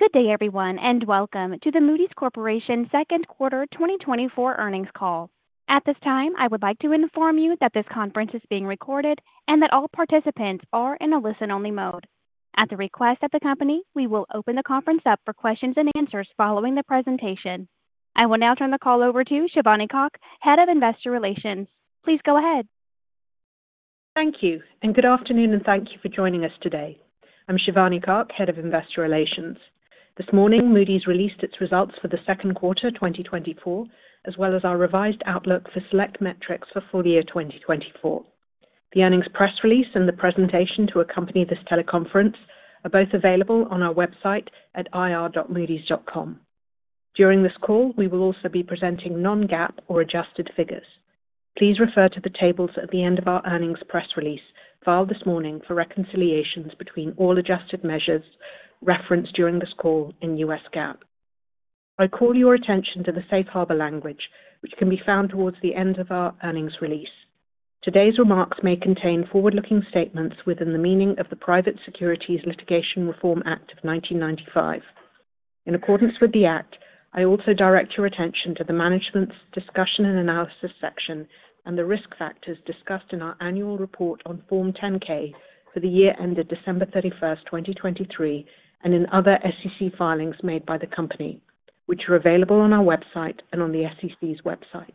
Good day, everyone, and welcome to the Moody's Corporation Second Quarter 2024 Earnings Call. At this time, I would like to inform you that this conference is being recorded and that all participants are in a listen-only mode. At the request of the company, we will open the conference up for questions and answers following the presentation. I will now turn the call over to Shivani Kak, Head of Investor Relations. Please go ahead. Thank you, and good afternoon, and thank you for joining us today. I'm Shivani Kak, Head of Investor Relations. This morning, Moody's released its results for the second quarter 2024, as well as our revised outlook for select metrics for full year 2024. The earnings press release and the presentation to accompany this teleconference are both available on our website at ir.moodys.com. During this call, we will also be presenting non-GAAP or adjusted figures. Please refer to the tables at the end of our earnings press release filed this morning for reconciliations between all adjusted measures referenced during this call in U.S. GAAP. I call your attention to the safe harbor language, which can be found towards the end of our earnings release. Today's remarks may contain forward-looking statements within the meaning of the Private Securities Litigation Reform Act of 1995. In accordance with the act, I also direct your attention to the management's discussion and analysis section and the risk factors discussed in our annual report on Form 10-K for the year ended December 31st, 2023, and in other SEC filings made by the company, which are available on our website and on the SEC's website.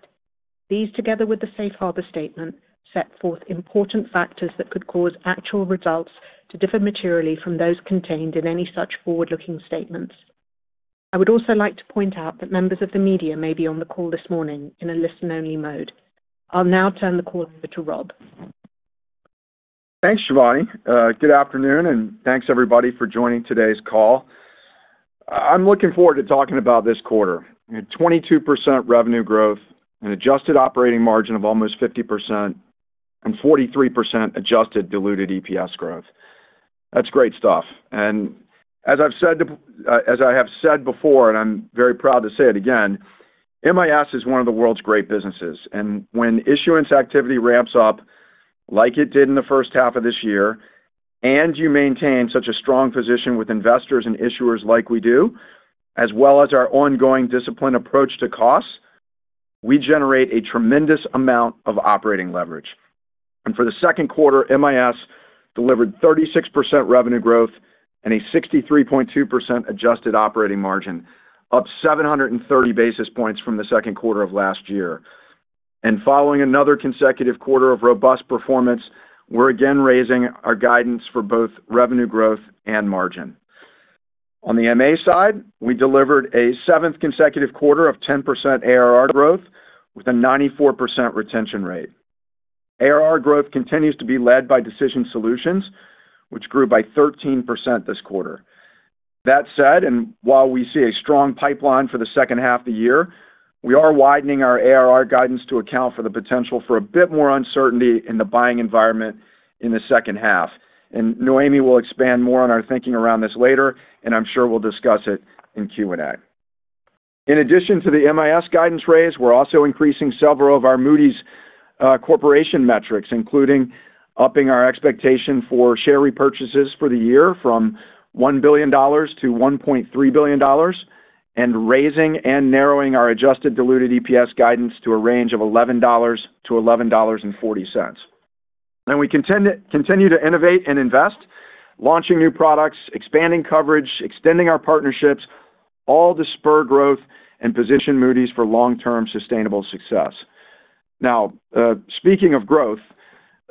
These, together with the safe harbor statement, set forth important factors that could cause actual results to differ materially from those contained in any such forward-looking statements. I would also like to point out that members of the media may be on the call this morning in a listen-only mode. I'll now turn the call over to Rob. Thanks, Shivani. Good afternoon, and thanks, everybody, for joining today's call. I'm looking forward to talking about this quarter: 22% revenue growth, an adjusted operating margin of almost 50%, and 43% adjusted diluted EPS growth. That's great stuff. As I've said before, and I'm very proud to say it again, MIS is one of the world's great businesses. When issuance activity ramps up like it did in the first half of this year, and you maintain such a strong position with investors and issuers like we do, as well as our ongoing disciplined approach to costs, we generate a tremendous amount of operating leverage. For the second quarter, MIS delivered 36% revenue growth and a 63.2% adjusted operating margin, up 730 basis points from the second quarter of last year. Following another consecutive quarter of robust performance, we're again raising our guidance for both revenue growth and margin. On the MA side, we delivered a seventh consecutive quarter of 10% ARR growth with a 94% retention rate. ARR growth continues to be led by Decision Solutions, which grew by 13% this quarter. That said, and while we see a strong pipeline for the second half of the year, we are widening our ARR guidance to account for the potential for a bit more uncertainty in the buying environment in the second half. Noémie will expand more on our thinking around this later, and I'm sure we'll discuss it in Q&A. In addition to the MIS guidance raise, we're also increasing several of our Moody's Corporation metrics, including upping our expectation for share repurchases for the year from $1 billion-$1.3 billion, and raising and narrowing our adjusted diluted EPS guidance to a range of $11-$11.40. We continue to innovate and invest, launching new products, expanding coverage, extending our partnerships, all to spur growth and position Moody's for long-term sustainable success. Now, speaking of growth,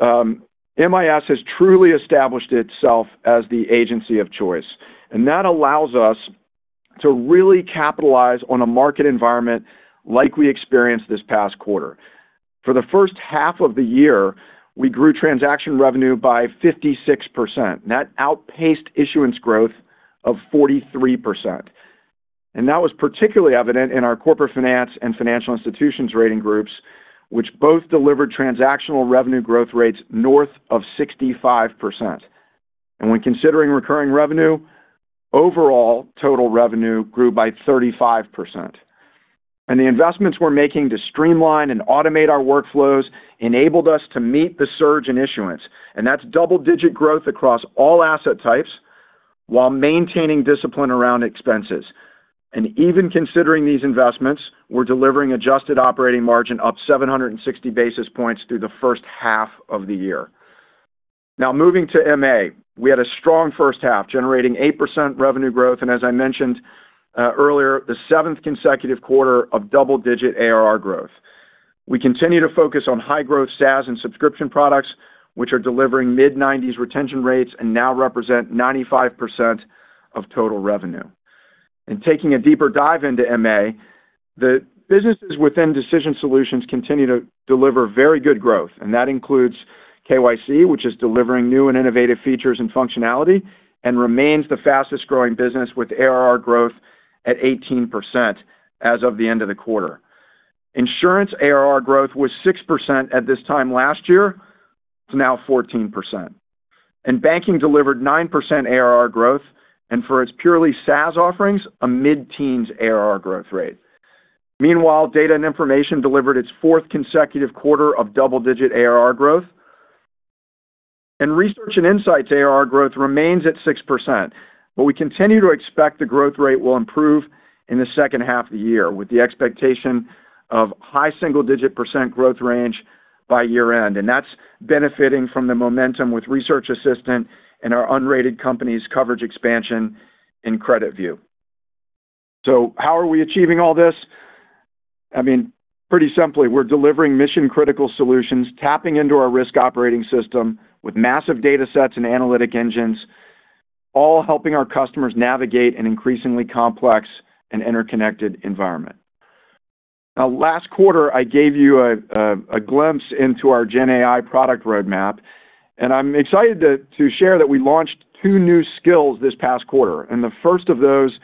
MIS has truly established itself as the agency of choice, and that allows us to really capitalize on a market environment like we experienced this past quarter. For the first half of the year, we grew transaction revenue by 56%, and that outpaced issuance growth of 43%. That was particularly evident in our Corporate Finance and Financial Institutions rating groups, which both delivered transactional revenue growth rates north of 65%. When considering recurring revenue, overall total revenue grew by 35%. The investments we're making to streamline and automate our workflows enabled us to meet the surge in issuance, and that's double-digit growth across all asset types while maintaining discipline around expenses. Even considering these investments, we're delivering adjusted operating margin up 760 basis points through the first half of the year. Now, moving to MA, we had a strong first half, generating 8% revenue growth, and as I mentioned earlier, the seventh consecutive quarter of double-digit ARR growth. We continue to focus on high-growth SaaS and subscription products, which are delivering mid-90s retention rates and now represent 95% of total revenue. Taking a deeper dive into MA, the businesses within Decision Solutions continue to deliver very good growth, and that includes KYC, which is delivering new and innovative features and functionality, and remains the fastest-growing business with ARR growth at 18% as of the end of the quarter. Insurance ARR growth was 6% at this time last year to now 14%. And banking delivered 9% ARR growth, and for its purely SaaS offerings, a mid-teens ARR growth rate. Meanwhile, Data & Information delivered its fourth consecutive quarter of double-digit ARR growth. And Research and Insights ARR growth remains at 6%, but we continue to expect the growth rate will improve in the second half of the year, with the expectation of high single-digit % growth range by year-end, and that's benefiting from the momentum with Research Assistant and our unrated companies coverage expansion in CreditView. So how are we achieving all this? I mean, pretty simply, we're delivering mission-critical solutions, tapping into our risk operating system with massive data sets and analytic engines, all helping our customers navigate an increasingly complex and interconnected environment. Now, last quarter, I gave you a glimpse into our GenAI product roadmap, and I'm excited to share that we launched two new skills this past quarter. And the first of those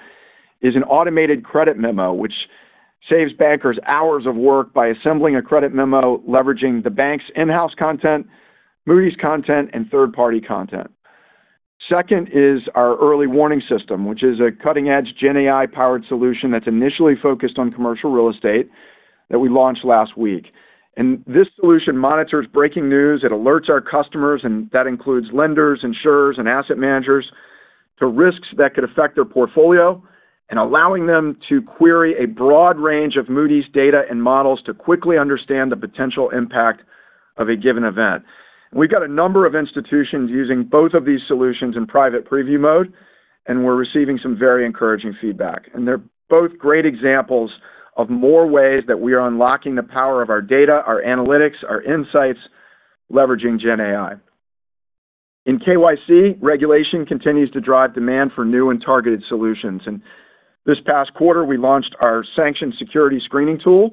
is an Automated Credit Memo, which saves bankers hours of work by assembling a credit memo, leveraging the bank's in-house content, Moody's content, and third-party content. Second is our Early Warning System, which is a cutting-edge GenAI-powered solution that's initially focused on commercial real estate that we launched last week. This solution monitors breaking news. It alerts our customers, and that includes lenders, insurers, and asset managers, to risks that could affect their portfolio, and allowing them to query a broad range of Moody's data and models to quickly understand the potential impact of a given event. We've got a number of institutions using both of these solutions in private preview mode, and we're receiving some very encouraging feedback. They're both great examples of more ways that we are unlocking the power of our data, our analytics, our insights, leveraging GenAI. In KYC, regulation continues to drive demand for new and targeted solutions. This past quarter, we launched our Sanctioned Securities Screening tool,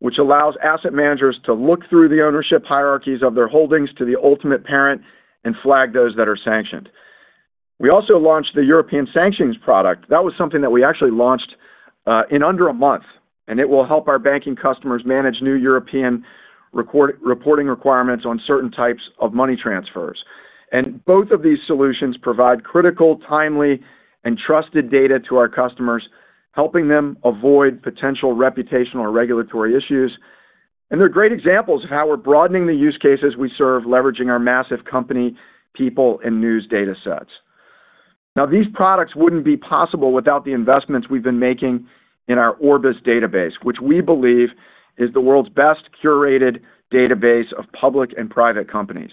which allows asset managers to look through the ownership hierarchies of their holdings to the ultimate parent and flag those that are sanctioned. We also launched the European sanctions product. That was something that we actually launched in under a month, and it will help our banking customers manage new European reporting requirements on certain types of money transfers. Both of these solutions provide critical, timely, and trusted data to our customers, helping them avoid potential reputational or regulatory issues. They're great examples of how we're broadening the use cases we serve, leveraging our massive company, people, and news data sets. Now, these products wouldn't be possible without the investments we've been making in our Orbis database, which we believe is the world's best curated database of public and private companies.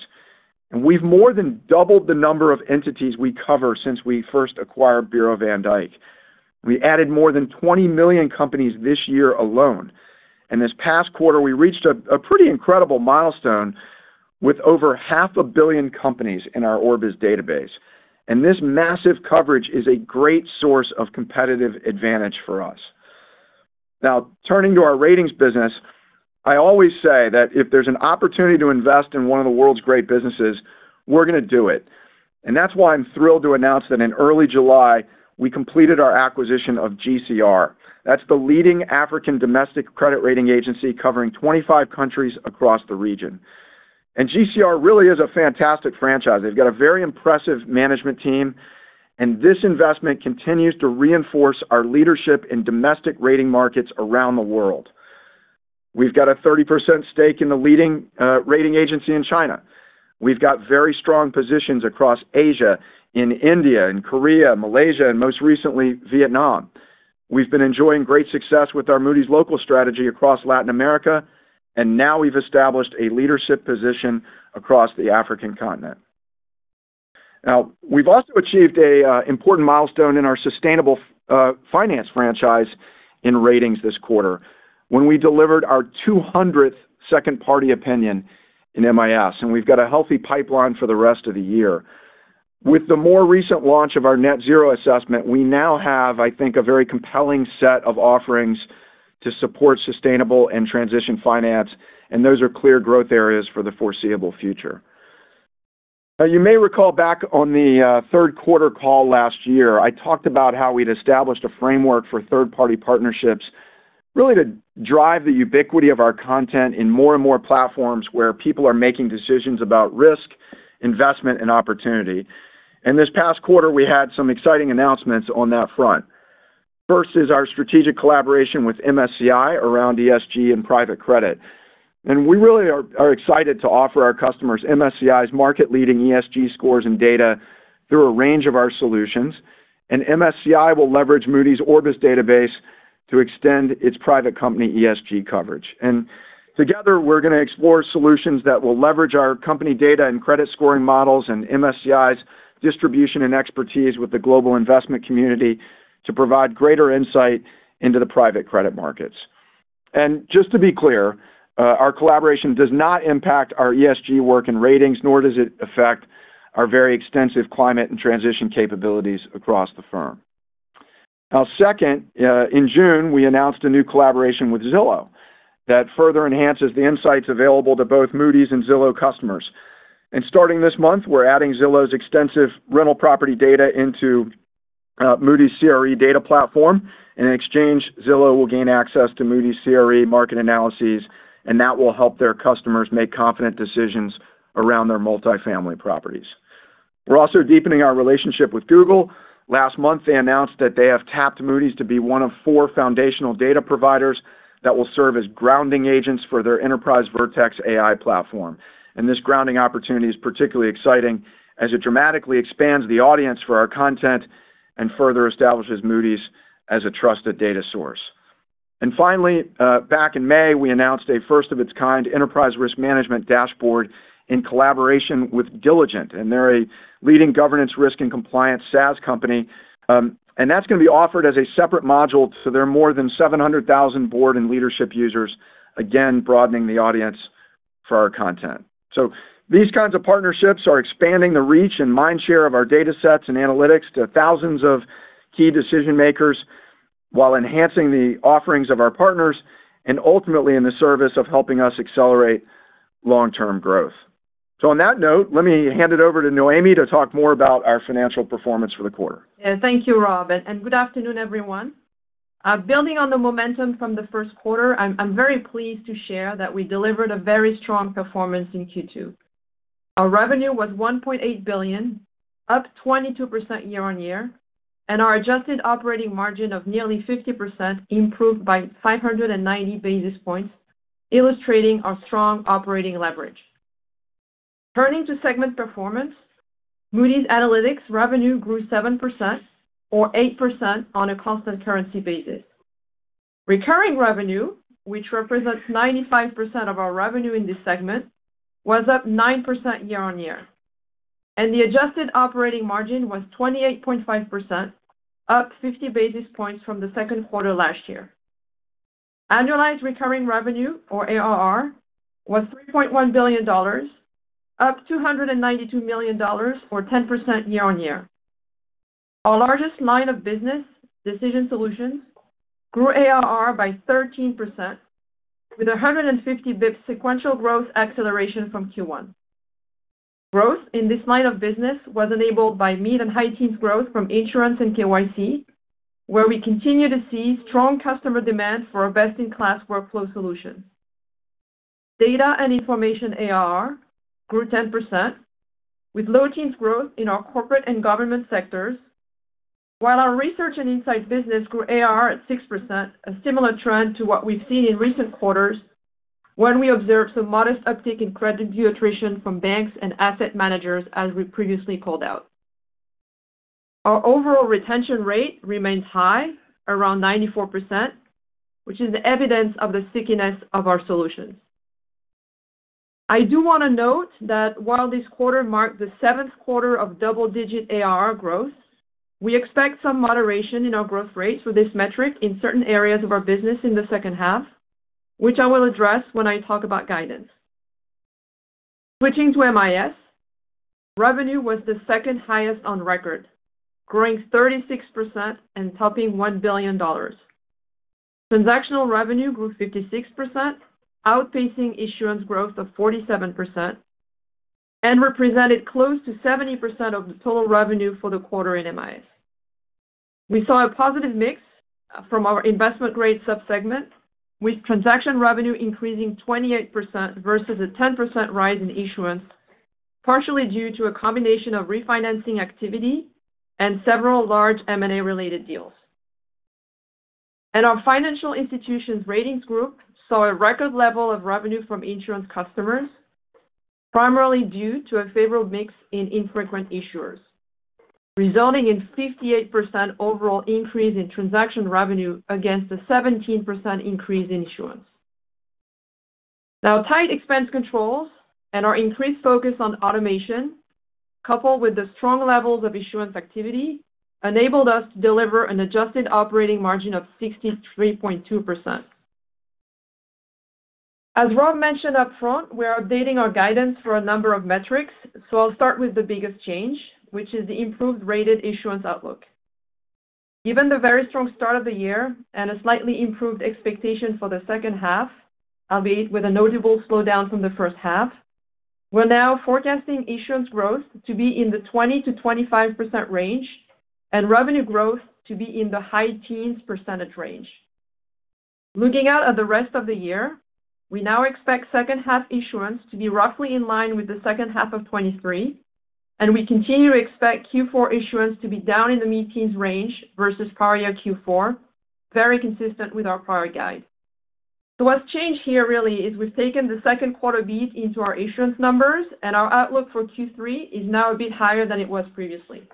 We've more than doubled the number of entities we cover since we first acquired Bureau van Dijk. We added more than 20 million companies this year alone. This past quarter, we reached a pretty incredible milestone with over half a billion companies in our Orbis database. This massive coverage is a great source of competitive advantage for us. Now, turning to our ratings business, I always say that if there's an opportunity to invest in one of the world's great businesses, we're going to do it. That's why I'm thrilled to announce that in early July, we completed our acquisition of GCR. That's the leading African domestic credit rating agency covering 25 countries across the region. GCR really is a fantastic franchise. They've got a very impressive management team, and this investment continues to reinforce our leadership in domestic rating markets around the world. We've got a 30% stake in the leading rating agency in China. We've got very strong positions across Asia in India, in Korea, Malaysia, and most recently, Vietnam. We've been enjoying great success with our Moody's Local strategy across Latin America, and now we've established a leadership position across the African continent. Now, we've also achieved an important milestone in our sustainable finance franchise in ratings this quarter, when we delivered our 200th Second Party Opinion in MIS, and we've got a healthy pipeline for the rest of the year. With the more recent launch of our Net Zero Assessment, we now have, I think, a very compelling set of offerings to support sustainable and transition finance, and those are clear growth areas for the foreseeable future. Now, you may recall back on the third quarter call last year, I talked about how we'd established a framework for third-party partnerships, really to drive the ubiquity of our content in more and more platforms where people are making decisions about risk, investment, and opportunity. And this past quarter, we had some exciting announcements on that front. First is our strategic collaboration with MSCI around ESG and private credit. We really are excited to offer our customers MSCI's market-leading ESG scores and data through a range of our solutions, and MSCI will leverage Moody's Orbis database to extend its private company ESG coverage. Together, we're going to explore solutions that will leverage our company data and credit scoring models and MSCI's distribution and expertise with the global investment community to provide greater insight into the private credit markets. Just to be clear, our collaboration does not impact our ESG work and ratings, nor does it affect our very extensive climate and transition capabilities across the firm. Now, second, in June, we announced a new collaboration with Zillow that further enhances the insights available to both Moody's and Zillow customers. Starting this month, we're adding Zillow's extensive rental property data into Moody's CRE data platform. In exchange, Zillow will gain access to Moody's CRE market analyses, and that will help their customers make confident decisions around their multifamily properties. We're also deepening our relationship with Google. Last month, they announced that they have tapped Moody's to be one of four foundational data providers that will serve as grounding agents for their enterprise Vertex AI platform. This grounding opportunity is particularly exciting as it dramatically expands the audience for our content and further establishes Moody's as a trusted data source. Finally, back in May, we announced a first-of-its-kind enterprise risk management dashboard in collaboration with Diligent, and they're a leading governance risk and compliance SaaS company. And that's going to be offered as a separate module to their more than 700,000 board and leadership users, again, broadening the audience for our content. So these kinds of partnerships are expanding the reach and mind share of our data sets and analytics to thousands of key decision-makers while enhancing the offerings of our partners and ultimately in the service of helping us accelerate long-term growth. So on that note, let me hand it over to Noémie to talk more about our financial performance for the quarter. Yeah, thank you, Rob. Good afternoon, everyone. Building on the momentum from the first quarter, I'm very pleased to share that we delivered a very strong performance in Q2. Our revenue was $1.8 billion, up 22% year-on-year, and our adjusted operating margin of nearly 50% improved by 590 basis points, illustrating our strong operating leverage. Turning to segment performance, Moody’s Analytics revenue grew 7% or 8% on a constant currency basis. Recurring revenue, which represents 95% of our revenue in this segment, was up 9% year-over-year. The adjusted operating margin was 28.5%, up 50 basis points from the second quarter last year. Annualized recurring revenue, or ARR, was $3.1 billion, up $292 million or 10% year-over-year. Our largest line of business, Decision Solutions, grew ARR by 13% with a 150 basis points sequential growth acceleration from Q1. Growth in this line of business was enabled by mid- and high-teens growth from insurance and KYC, where we continue to see strong customer demand for our best-in-class workflow solutions. Data & Information ARR grew 10%, with low-teens growth in our corporate and government sectors, while our Research and Insights business grew ARR at 6%, a similar trend to what we've seen in recent quarters when we observed some modest uptick in CreditView attrition from banks and asset managers, as we previously called out. Our overall retention rate remains high, around 94%, which is the evidence of the stickiness of our solutions. I do want to note that while this quarter marked the seventh quarter of double-digit ARR growth, we expect some moderation in our growth rates with this metric in certain areas of our business in the second half, which I will address when I talk about guidance. Switching to MIS, revenue was the second highest on record, growing 36% and topping $1 billion. Transactional revenue grew 56%, outpacing issuance growth of 47%, and represented close to 70% of the total revenue for the quarter in MIS. We saw a positive mix from our investment-grade subsegment, with transaction revenue increasing 28% versus a 10% rise in issuance, partially due to a combination of refinancing activity and several large M&A-related deals. Our Financial Institutions ratings group saw a record level of revenue from insurance customers, primarily due to a favorable mix in infrequent issuers, resulting in a 58% overall increase in transaction revenue against a 17% increase in issuance. Now, tight expense controls and our increased focus on automation, coupled with the strong levels of issuance activity, enabled us to deliver an adjusted operating margin of 63.2%. As Rob mentioned upfront, we're updating our guidance for a number of metrics, so I'll start with the biggest change, which is the improved rated issuance outlook. Given the very strong start of the year and a slightly improved expectation for the second half, albeit with a notable slowdown from the first half, we're now forecasting issuance growth to be in the 20%-25% range and revenue growth to be in the high-teens % range. Looking out at the rest of the year, we now expect second-half issuance to be roughly in line with the second half of 2023, and we continue to expect Q4 issuance to be down in the mid-teens range versus prior Q4, very consistent with our prior guide. So what's changed here really is we've taken the second quarter beat into our issuance numbers, and our outlook for Q3 is now a bit higher than it was previously.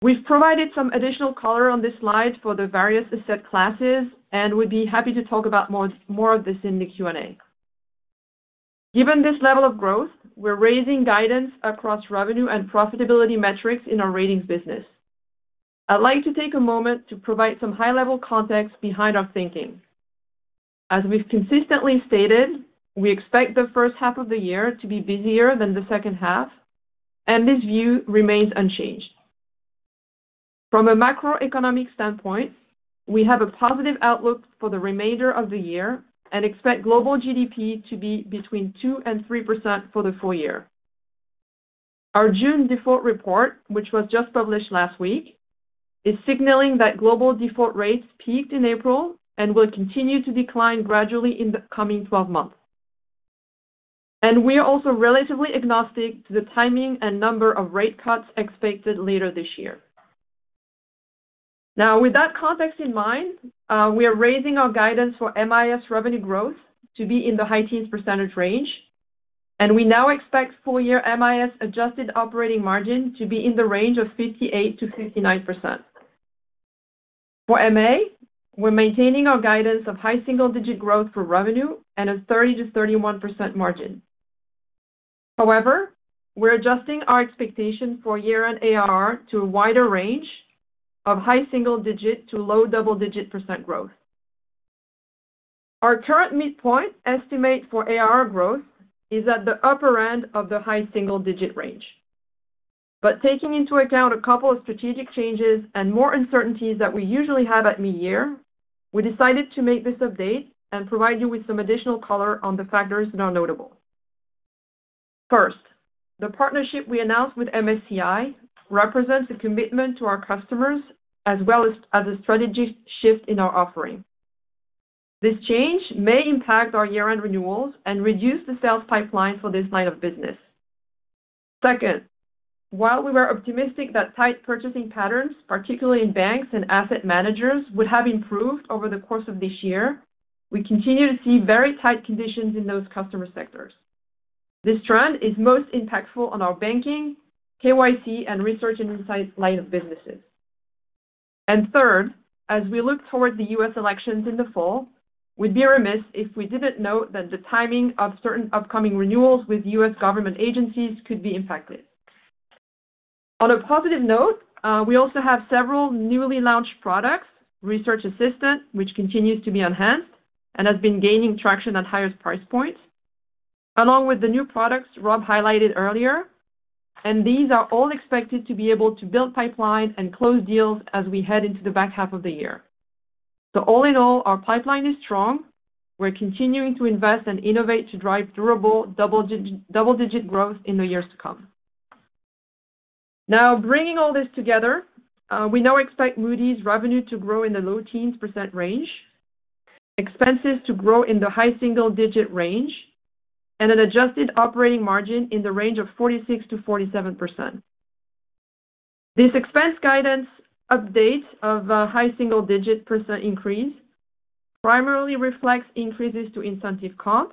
We've provided some additional color on this slide for the various asset classes, and we'd be happy to talk about more of this in the Q&A. Given this level of growth, we're raising guidance across revenue and profitability metrics in our ratings business. I'd like to take a moment to provide some high-level context behind our thinking. As we've consistently stated, we expect the first half of the year to be busier than the second half, and this view remains unchanged. From a macroeconomic standpoint, we have a positive outlook for the remainder of the year and expect global GDP to be between 2% and 3% for the full year. Our June default report, which was just published last week, is signaling that global default rates peaked in April and will continue to decline gradually in the coming 12 months. And we are also relatively agnostic to the timing and number of rate cuts expected later this year. Now, with that context in mind, we are raising our guidance for MIS revenue growth to be in the high-teens % range, and we now expect full-year MIS adjusted operating margin to be in the range of 58%-59%. For MA, we're maintaining our guidance of high single-digit growth for revenue and a 30%-31% margin. However, we're adjusting our expectation for year-end ARR to a wider range of high single-digit to low double-digit % growth. Our current midpoint estimate for ARR growth is at the upper end of the high single-digit range. But taking into account a couple of strategic changes and more uncertainties that we usually have at mid-year, we decided to make this update and provide you with some additional color on the factors that are notable. First, the partnership we announced with MSCI represents a commitment to our customers as well as a strategy shift in our offering. This change may impact our year-end renewals and reduce the sales pipeline for this line of business. Second, while we were optimistic that tight purchasing patterns, particularly in banks and asset managers, would have improved over the course of this year, we continue to see very tight conditions in those customer sectors. This trend is most impactful on our banking, KYC, and Research and Insights lines of business. And third, as we look towards the U.S. elections in the fall, we'd be remiss if we didn't note that the timing of certain upcoming renewals with U.S. government agencies could be impacted. On a positive note, we also have several newly launched products, Research Assistant, which continues to be enhanced and has been gaining traction at higher price points, along with the new products Rob highlighted earlier, and these are all expected to be able to build pipeline and close deals as we head into the back half of the year. So all in all, our pipeline is strong. We're continuing to invest and innovate to drive durable double-digit growth in the years to come. Now, bringing all this together, we now expect Moody's revenue to grow in the low teens % range, expenses to grow in the high single-digit range, and an adjusted operating margin in the range of 46%-47%. This expense guidance update of a high single-digit % increase primarily reflects increases to incentive comp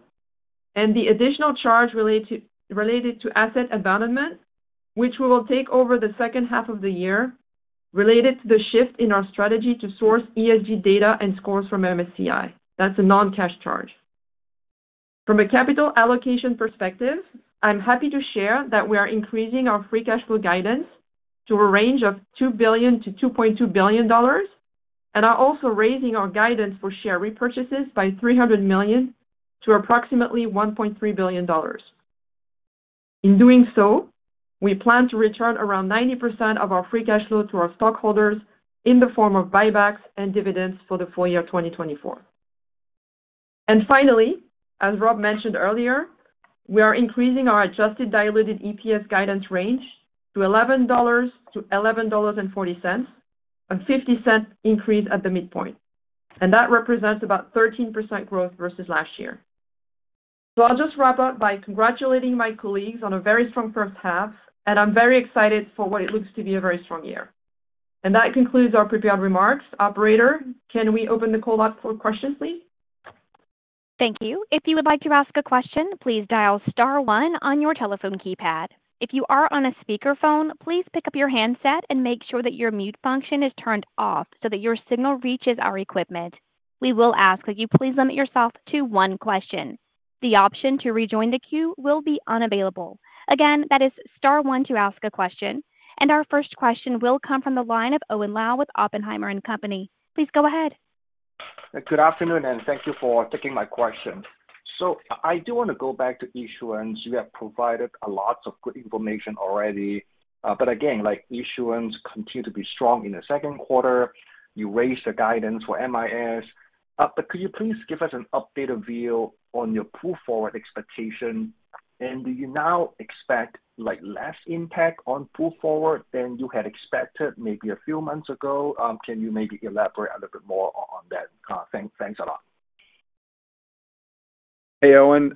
and the additional charge related to asset abandonment, which we will take over the second half of the year related to the shift in our strategy to source ESG data and scores from MSCI. That's a non-cash charge. From a capital allocation perspective, I'm happy to share that we are increasing our free cash flow guidance to a range of $2 billion-$2.2 billion, and are also raising our guidance for share repurchases by $300 million to approximately $1.3 billion. In doing so, we plan to return around 90% of our free cash flow to our stockholders in the form of buybacks and dividends for the full year 2024. And finally, as Rob mentioned earlier, we are increasing our Adjusted diluted EPS guidance range to $11-$11.40, a $0.50 increase at the midpoint, and that represents about 13% growth versus last year. So I'll just wrap up by congratulating my colleagues on a very strong first half, and I'm very excited for what it looks to be a very strong year. And that concludes our prepared remarks. Operator, can we open the call-out for questions, please? Thank you. If you would like to ask a question, please dial star one on your telephone keypad. If you are on a speakerphone, please pick up your handset and make sure that your mute function is turned off so that your signal reaches our equipment. We will ask, could you please limit yourself to one question? The option to rejoin the queue will be unavailable. Again, that is star one to ask a question, and our first question will come from the line of Owen Lau with Oppenheimer & Co. Please go ahead. Good afternoon, and thank you for taking my question. So I do want to go back to issuance. You have provided a lot of good information already, but again, issuance continued to be strong in the second quarter. You raised the guidance for MIS. But could you please give us an updated view on your pull-forward expectation? And do you now expect less impact on pull-forward than you had expected maybe a few months ago? Can you maybe elaborate a little bit more on that? Thanks a lot. Hey, Owen,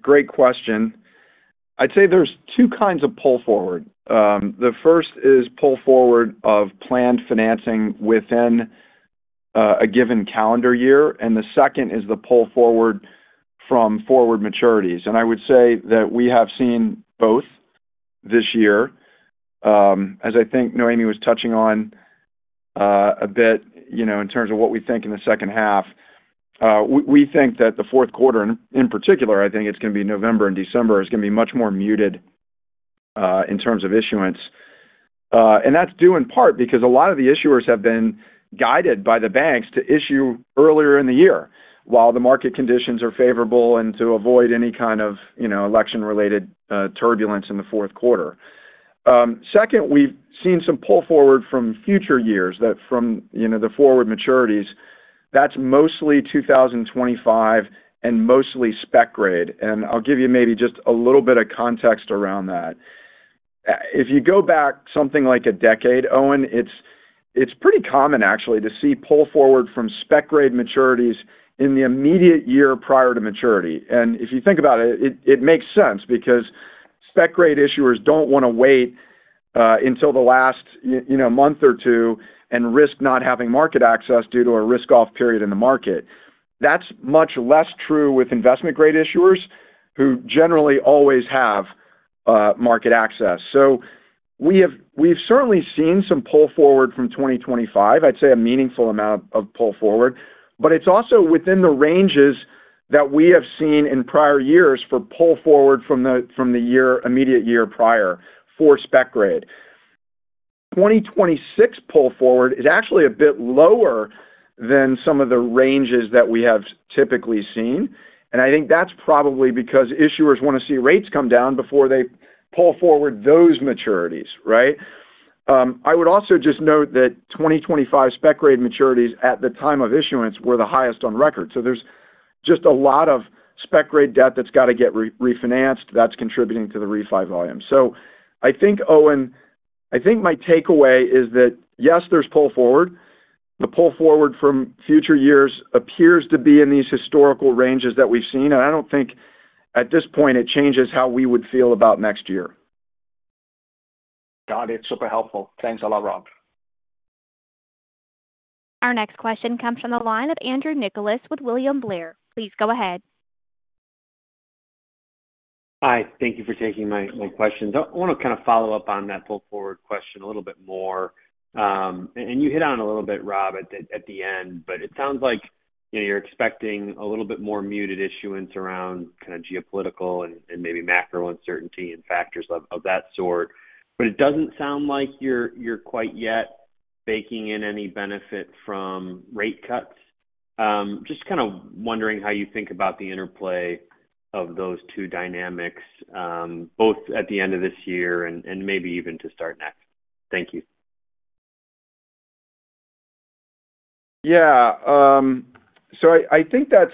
great question. I'd say there's two kinds of pull-forward. The first is pull-forward of planned financing within a given calendar year, and the second is the pull-forward from forward maturities. I would say that we have seen both this year, as I think Noémie was touching on a bit in terms of what we think in the second half. We think that the fourth quarter, in particular, I think it's going to be November and December, is going to be much more muted in terms of issuance. And that's due in part because a lot of the issuers have been guided by the banks to issue earlier in the year while the market conditions are favorable and to avoid any kind of election-related turbulence in the fourth quarter. Second, we've seen some pull-forward from future years, from the forward maturities. That's mostly 2025 and mostly spec grade. And I'll give you maybe just a little bit of context around that. If you go back something like a decade, Owen, it's pretty common actually to see pull-forward from spec grade maturities in the immediate year prior to maturity. And if you think about it, it makes sense because spec grade issuers don't want to wait until the last month or two and risk not having market access due to a risk-off period in the market. That's much less true with investment-grade issuers who generally always have market access. So we've certainly seen some pull-forward from 2025, I'd say a meaningful amount of pull-forward, but it's also within the ranges that we have seen in prior years for pull-forward from the immediate year prior for spec grade. 2026 pull-forward is actually a bit lower than some of the ranges that we have typically seen, and I think that's probably because issuers want to see rates come down before they pull forward those maturities, right? I would also just note that 2025 spec grade maturities at the time of issuance were the highest on record. So there's just a lot of spec grade debt that's got to get refinanced that's contributing to the refi volume. So I think, Owen, I think my takeaway is that, yes, there's pull-forward. The pull-forward from future years appears to be in these historical ranges that we've seen, and I don't think at this point it changes how we would feel about next year. Got it. Super helpful. Thanks a lot, Rob. Our next question comes from the line of Andrew Nicholas with William Blair. Please go ahead. Hi. Thank you for taking my question. I want to kind of follow up on that pull-forward question a little bit more. You hit on it a little bit, Rob, at the end, but it sounds like you're expecting a little bit more muted issuance around kind of geopolitical and maybe macro uncertainty and factors of that sort. But it doesn't sound like you're quite yet baking in any benefit from rate cuts. Just kind of wondering how you think about the interplay of those two dynamics, both at the end of this year and maybe even to start next. Thank you. Yeah. So I think that's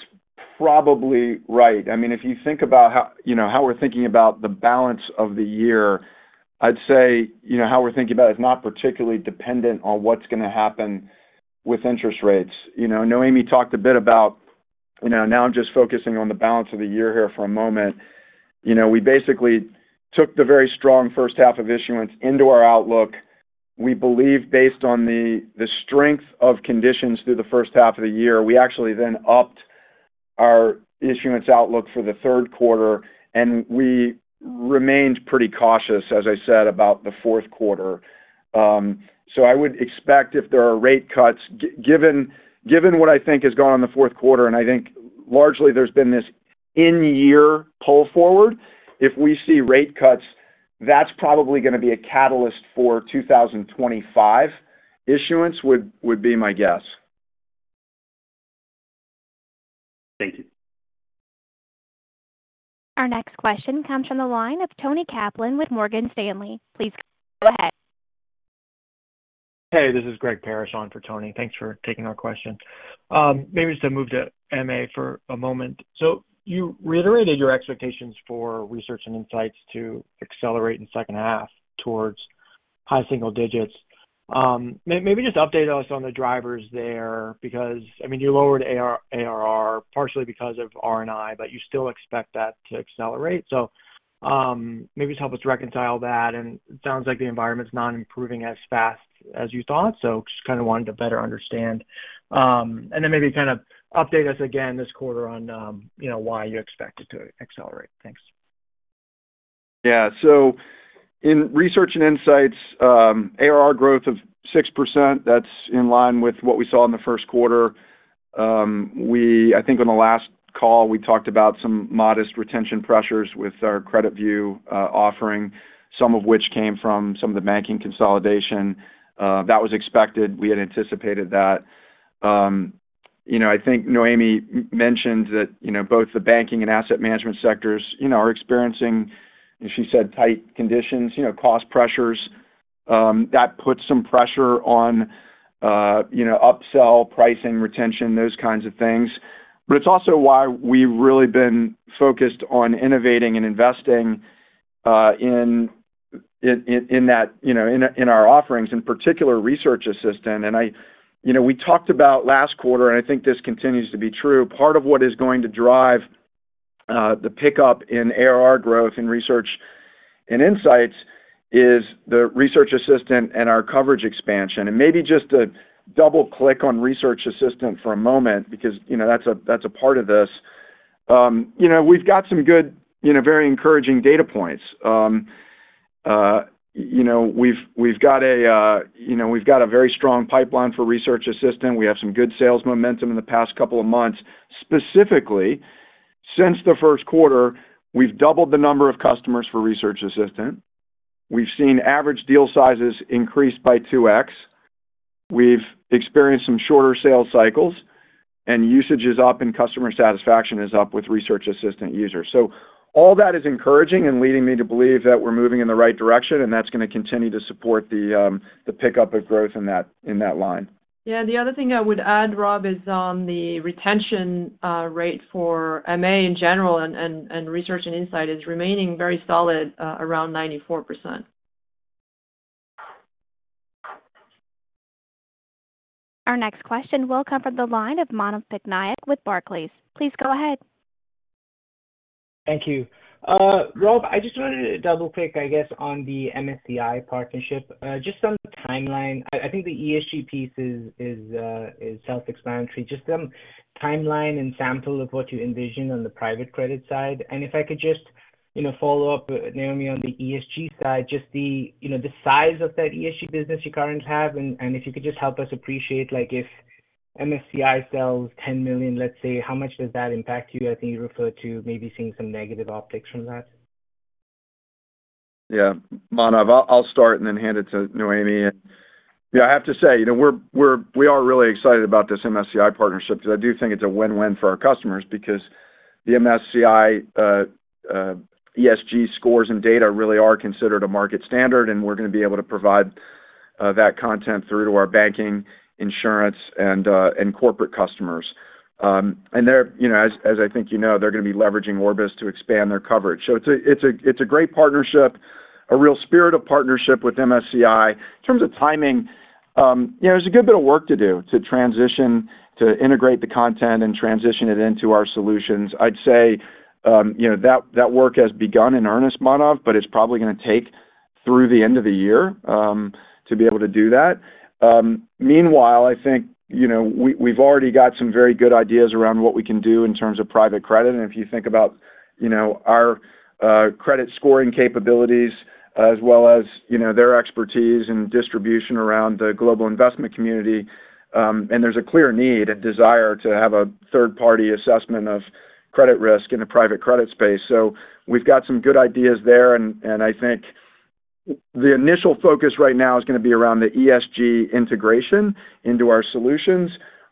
probably right. I mean, if you think about how we're thinking about the balance of the year, I'd say how we're thinking about it is not particularly dependent on what's going to happen with interest rates. Noémie talked a bit about now I'm just focusing on the balance of the year here for a moment. We basically took the very strong first half of issuance into our outlook. We believe based on the strength of conditions through the first half of the year, we actually then upped our issuance outlook for the third quarter, and we remained pretty cautious, as I said, about the fourth quarter. So I would expect if there are rate cuts, given what I think has gone on the fourth quarter, and I think largely there's been this in-year pull-forward, if we see rate cuts, that's probably going to be a catalyst for 2025 issuance would be my guess. Thank you. Our next question comes from the line of Toni Kaplan with Morgan Stanley. Please go ahead. Hey, this is Greg Parrish on for Toni. Thanks for taking our question. Maybe just to move to MA for a moment. So you reiterated your expectations for Research and Insights to accelerate in the second half towards high single digits. Maybe just update us on the drivers there because, I mean, you lowered ARR partially because of R&I, but you still expect that to accelerate. So maybe just help us reconcile that. And it sounds like the environment's not improving as fast as you thought, so just kind of wanted to better understand. And then maybe kind of update us again this quarter on why you expect it to accelerate. Thanks. Yeah. So in Research and Insights, ARR growth of 6%, that's in line with what we saw in the first quarter. I think on the last call, we talked about some modest retention pressures with our CreditView offering, some of which came from some of the banking consolidation. That was expected. We had anticipated that. I think Noémie mentioned that both the banking and asset management sectors are experiencing, she said, tight conditions, cost pressures. That puts some pressure on upsell pricing, retention, those kinds of things. But it's also why we've really been focused on innovating and investing in that in our offerings, in particular, research assistant. And we talked about last quarter, and I think this continues to be true. Part of what is going to drive the pickup in ARR growth in research and insights is the research assistant and our coverage expansion. And maybe just to double-click on research assistant for a moment because that's a part of this. We've got some good, very encouraging data points. We've got a very strong pipeline for research assistant. We have some good sales momentum in the past couple of months. Specifically, since the first quarter, we've doubled the number of customers for Research Assistant. We've seen average deal sizes increase by 2x. We've experienced some shorter sales cycles, and usage is up, and customer satisfaction is up with Research Assistant users. So all that is encouraging and leading me to believe that we're moving in the right direction, and that's going to continue to support the pickup of growth in that line. Yeah. The other thing I would add, Rob, is on the retention rate for MA in general and Research and Insights is remaining very solid around 94%. Our next question will come from the line of Manav Patnaik with Barclays. Please go ahead. Thank you. Rob, I just wanted to double-click, I guess, on the MSCI partnership. Just some timeline. I think the ESG piece is self-explanatory. Just some timeline and sample of what you envision on the private credit side. If I could just follow up, Noémie, on the ESG side, just the size of that ESG business you currently have, and if you could just help us appreciate if MSCI sells $10 million, let's say, how much does that impact you? I think you referred to maybe seeing some negative optics from that. Yeah. Manav, I'll start and then hand it to Noémie. Yeah, I have to say, we are really excited about this MSCI partnership because I do think it's a win-win for our customers because the MSCI ESG scores and data really are considered a market standard, and we're going to be able to provide that content through to our banking, insurance, and corporate customers. As I think you know, they're going to be leveraging Orbis to expand their coverage. So it's a great partnership, a real spirit of partnership with MSCI. In terms of timing, there's a good bit of work to do to transition, to integrate the content and transition it into our solutions. I'd say that work has begun in earnest, Manav, but it's probably going to take through the end of the year to be able to do that. Meanwhile, I think we've already got some very good ideas around what we can do in terms of private credit. And if you think about our credit scoring capabilities as well as their expertise and distribution around the global investment community, and there's a clear need and desire to have a third-party assessment of credit risk in the private credit space. So we've got some good ideas there, and I think the initial focus right now is going to be around the ESG integration into our solutions.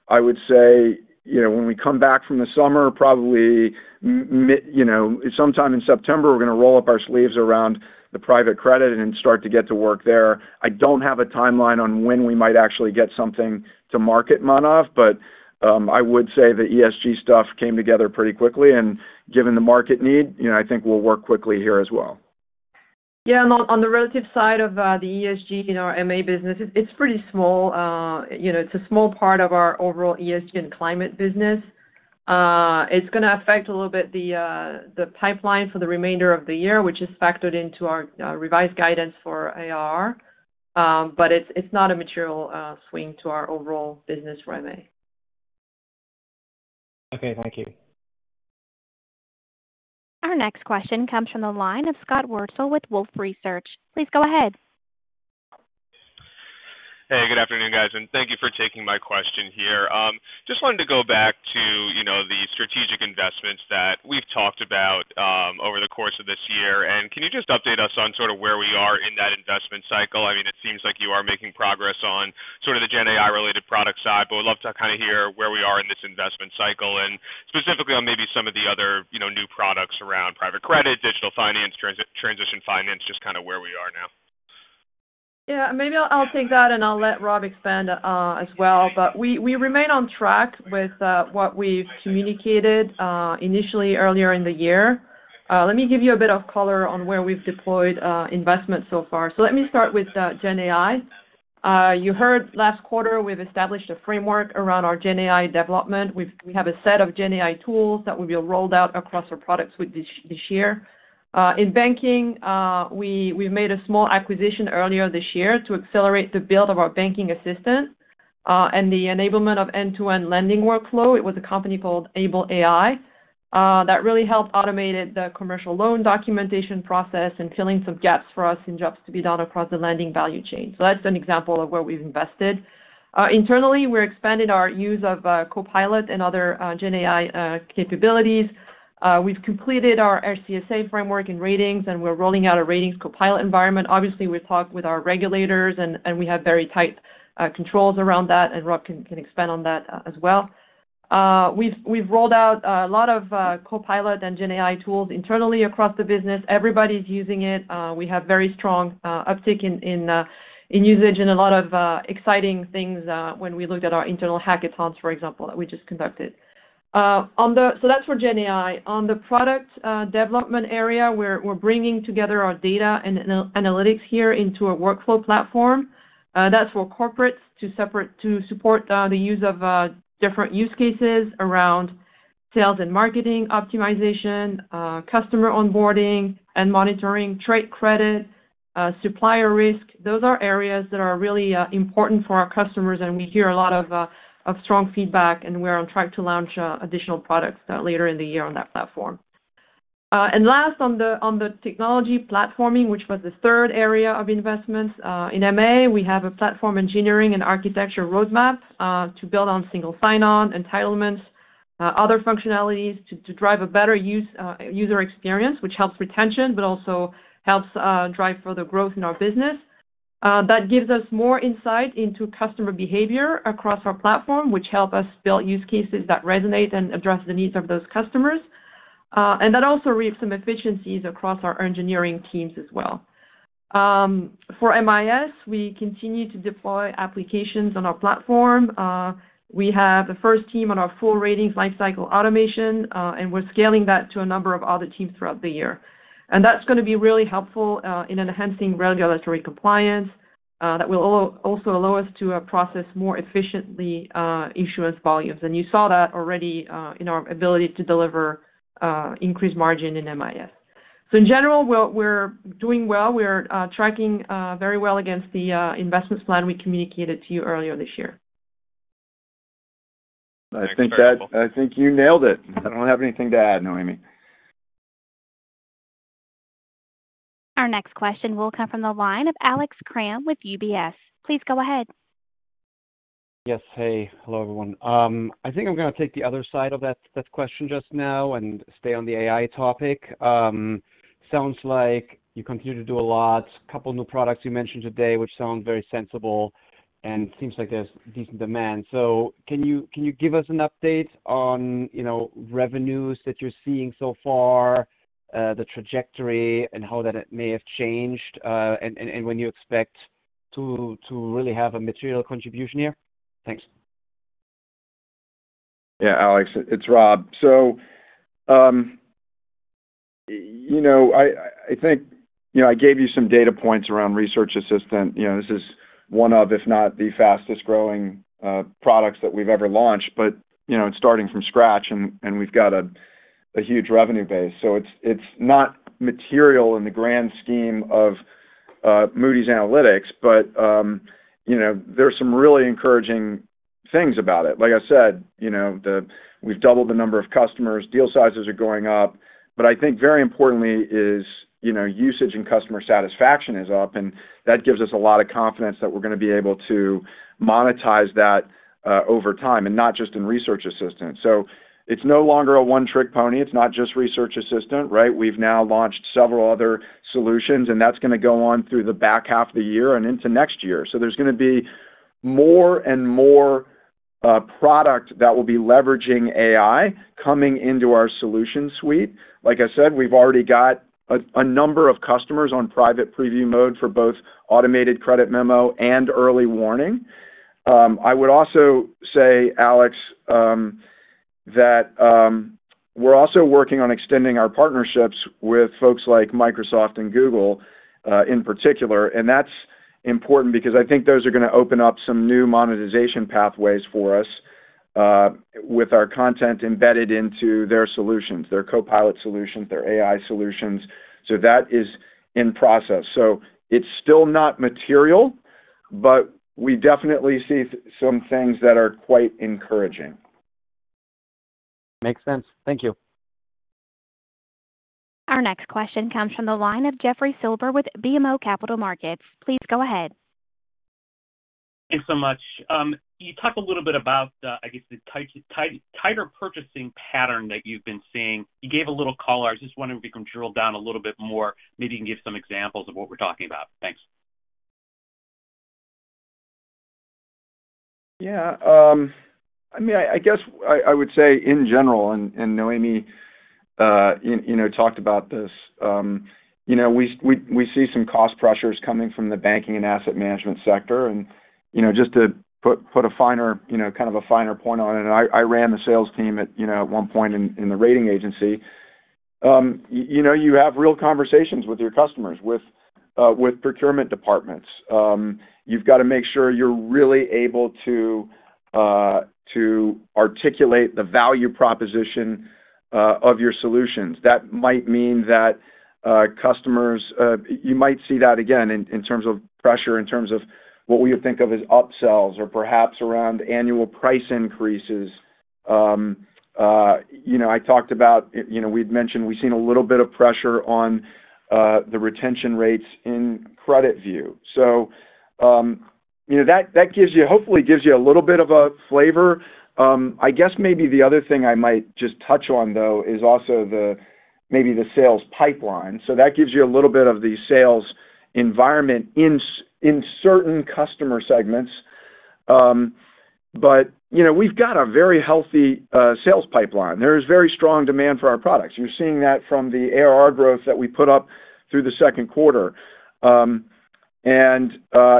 I would say when we come back from the summer, probably sometime in September, we're going to roll up our sleeves around the private credit and start to get to work there. I don't have a timeline on when we might actually get something to market, Manav, but I would say the ESG stuff came together pretty quickly. And given the market need, I think we'll work quickly here as well. Yeah. On the relative side of the ESG in our MA business, it's pretty small. It's a small part of our overall ESG and climate business. It's going to affect a little bit the pipeline for the remainder of the year, which is factored into our revised guidance for ARR, but it's not a material swing to our overall business for MA. Okay. Thank you. Our next question comes from the line of Scott Wurtzel with Wolfe Research. Please go ahead. Hey, good afternoon, guys. Thank you for taking my question here. Just wanted to go back to the strategic investments that we've talked about over the course of this year. Can you just update us on sort of where we are in that investment cycle? I mean, it seems like you are making progress on sort of the GenAI-related product side, but would love to kind of hear where we are in this investment cycle and specifically on maybe some of the other new products around private credit, digital finance, transition finance, just kind of where we are now. Yeah. Maybe I'll take that, and I'll let Rob expand as well. We remain on track with what we've communicated initially earlier in the year. Let me give you a bit of color on where we've deployed investment so far. Let me start with GenAI. You heard last quarter we've established a framework around our GenAI development. We have a set of GenAI tools that will be rolled out across our products this year. In banking, we've made a small acquisition earlier this year to accelerate the build of our banking assistant and the enablement of end-to-end lending workflow. It was a company called Able AI that really helped automate the commercial loan documentation process and filling some gaps for us in jobs to be done across the lending value chain. That's an example of where we've invested. Internally, we're expanding our use of Copilot and other GenAI capabilities. We've completed our RCSA framework and ratings, and we're rolling out a ratings Copilot environment. Obviously, we've talked with our regulators, and we have very tight controls around that, and Rob can expand on that as well. We've rolled out a lot of Copilot and GenAI tools internally across the business. Everybody's using it. We have very strong uptick in usage and a lot of exciting things when we looked at our internal hackathons, for example, that we just conducted. So that's for GenAI. On the product development area, we're bringing together our data and analytics here into a workflow platform. That's for corporates to support the use of different use cases around sales and marketing optimization, customer onboarding and monitoring, trade credit, supplier risk. Those are areas that are really important for our customers, and we hear a lot of strong feedback, and we're on track to launch additional products later in the year on that platform. Last, on the technology platforming, which was the third area of investments, in MA, we have a platform engineering and architecture roadmap to build on single sign-on entitlements, other functionalities to drive a better user experience, which helps retention but also helps drive further growth in our business. That gives us more insight into customer behavior across our platform, which helps us build use cases that resonate and address the needs of those customers. And that also reaps some efficiencies across our engineering teams as well. For MIS, we continue to deploy applications on our platform. We have the first team on our full ratings lifecycle automation, and we're scaling that to a number of other teams throughout the year. And that's going to be really helpful in enhancing regulatory compliance. That will also allow us to process more efficiently issuance volumes. You saw that already in our ability to deliver increased margin in MIS. So in general, we're doing well. We're tracking very well against the investment plan we communicated to you earlier this year. I think you nailed it. I don't have anything to add, Noémie. Our next question will come from the line of Alex Kramm with UBS. Please go ahead. Yes. Hey. Hello, everyone. I think I'm going to take the other side of that question just now and stay on the AI topic. Sounds like you continue to do a lot. A couple of new products you mentioned today, which sound very sensible, and it seems like there's decent demand. So can you give us an update on revenues that you're seeing so far, the trajectory, and how that may have changed, and when you expect to really have a material contribution here? Thanks. Yeah, Alex, it's Rob. So I think I gave you some data points around Research Assistant. This is one of, if not the fastest-growing products that we've ever launched, but it's starting from scratch, and we've got a huge revenue base. So it's not material in the grand scheme of Moody's Analytics, but there are some really encouraging things about it. Like I said, we've doubled the number of customers. Deal sizes are going up. But I think very importantly is usage and customer satisfaction is up, and that gives us a lot of confidence that we're going to be able to monetize that over time and not just in Research Assistant. So it's no longer a one-trick pony. It's not just Research Assistant, right? We've now launched several other solutions, and that's going to go on through the back half of the year and into next year. So there's going to be more and more product that will be leveraging AI coming into our solution suite. Like I said, we've already got a number of customers on private preview mode for both Automated Credit Memo and early warning. I would also say, Alex, that we're also working on extending our partnerships with folks like Microsoft and Google in particular. And that's important because I think those are going to open up some new monetization pathways for us with our content embedded into their solutions, their Copilot solutions, their AI solutions. So that is in process. So it's still not material, but we definitely see some things that are quite encouraging. Makes sense. Thank you. Our next question comes from the line of Jeffrey Silber with BMO Capital Markets. Please go ahead. Thanks so much. You talked a little bit about, I guess, the tighter purchasing pattern that you've been seeing. You gave a little color. I just wonder if you can drill down a little bit more. Maybe you can give some examples of what we're talking about. Thanks. Yeah. I mean, I guess I would say in general, and Noémie talked about this, we see some cost pressures coming from the banking and asset management sector. And just to put a finer kind of a finer point on it, I ran the sales team at one point in the rating agency. You have real conversations with your customers, with procurement departments. You've got to make sure you're really able to articulate the value proposition of your solutions. That might mean that customers you might see that again in terms of pressure, in terms of what we would think of as upsells or perhaps around annual price increases. I talked about we'd mentioned we've seen a little bit of pressure on the retention rates in CreditView. So that hopefully gives you a little bit of a flavor. I guess maybe the other thing I might just touch on, though, is also maybe the sales pipeline. So that gives you a little bit of the sales environment in certain customer segments. But we've got a very healthy sales pipeline. There is very strong demand for our products. You're seeing that from the ARR growth that we put up through the second quarter. And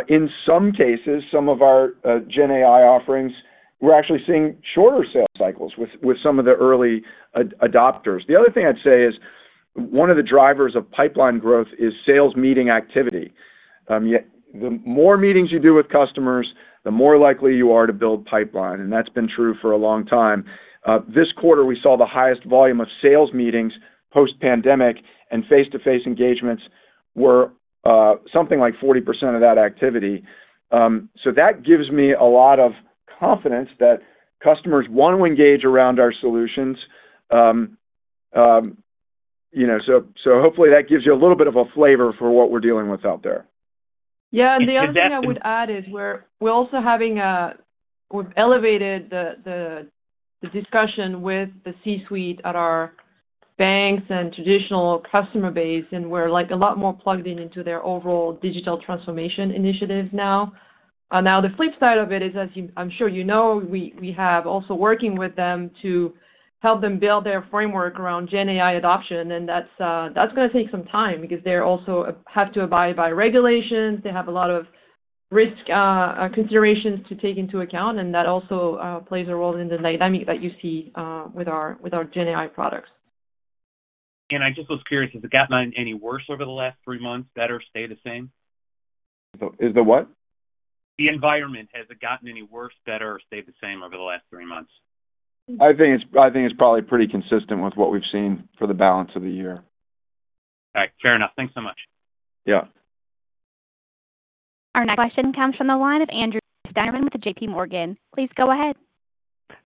in some cases, some of our GenAI offerings, we're actually seeing shorter sales cycles with some of the early adopters. The other thing I'd say is one of the drivers of pipeline growth is sales meeting activity. The more meetings you do with customers, the more likely you are to build pipeline. That's been true for a long time. This quarter, we saw the highest volume of sales meetings post-pandemic, and face-to-face engagements were something like 40% of that activity. That gives me a lot of confidence that customers want to engage around our solutions. Hopefully, that gives you a little bit of a flavor for what we're dealing with out there. Yeah. The other thing I would add is we've elevated the discussion with the C-suite at our banks and traditional customer base, and we're a lot more plugged into their overall digital transformation initiatives now. Now, the flip side of it is, as I'm sure you know, we have also been working with them to help them build their framework around GenAI adoption. That's going to take some time because they also have to abide by regulations. They have a lot of risk considerations to take into account, and that also plays a role in the dynamic that you see with our GenAI products. I just was curious, has it gotten any worse over the last three months? Better? Stayed the same? Is the what? The environment, has it gotten any worse, better, or stayed the same over the last three months? I think it's probably pretty consistent with what we've seen for the balance of the year. All right. Fair enough. Thanks so much. Yeah. Our next question comes from the line of Andrew Steinerman with JPMorgan. Please go ahead.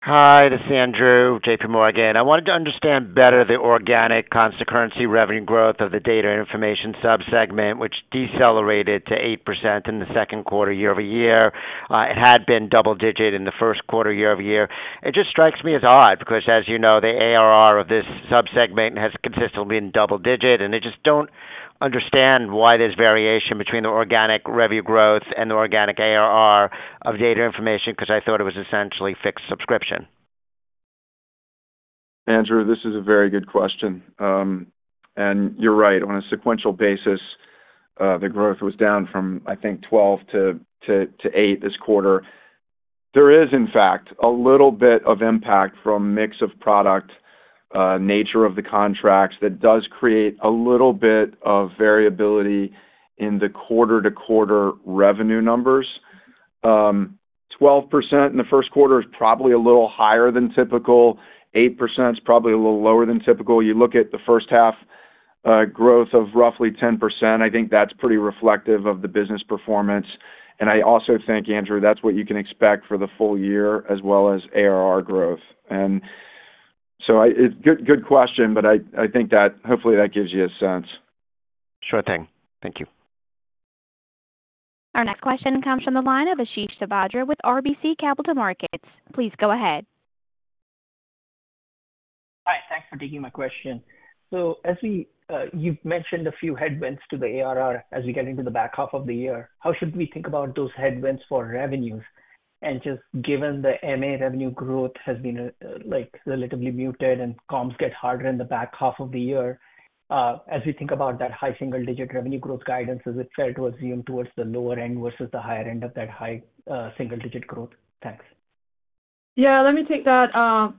Hi. This is Andrew, JPMorgan. I wanted to understand better the organic constant currency revenue growth of the Data & Information subsegment, which decelerated to 8% in the second quarter year-over-year. It had been double-digit in the first quarter year-over-year. It just strikes me as odd because, as you know, the ARR of this subsegment has consistently been double-digit, and I just don't understand why there's variation between the organic revenue growth and the organic ARR of Data & Information because I thought it was essentially fixed subscription. Andrew, this is a very good question. You're right. On a sequential basis, the growth was down from, I think, 12%-8% this quarter. There is, in fact, a little bit of impact from a mix of product nature of the contracts that does create a little bit of variability in the quarter-to-quarter revenue numbers. 12% in the first quarter is probably a little higher than typical. 8% is probably a little lower than typical. You look at the first half growth of roughly 10%, I think that's pretty reflective of the business performance. And I also think, Andrew, that's what you can expect for the full year as well as ARR growth. And so it's a good question, but I think that hopefully that gives you a sense. Sure thing. Thank you. Our next question comes from the line of Ashish Sabadra with RBC Capital Markets. Please go ahead. Hi. Thanks for taking my question. So as you've mentioned a few headwinds to the ARR as we get into the back half of the year, how should we think about those headwinds for revenues? Just given the MA revenue growth has been relatively muted and comps get harder in the back half of the year, as we think about that high single-digit revenue growth guidance, is it fair to assume towards the lower end versus the higher end of that high single-digit growth? Thanks. Yeah. Let me take that.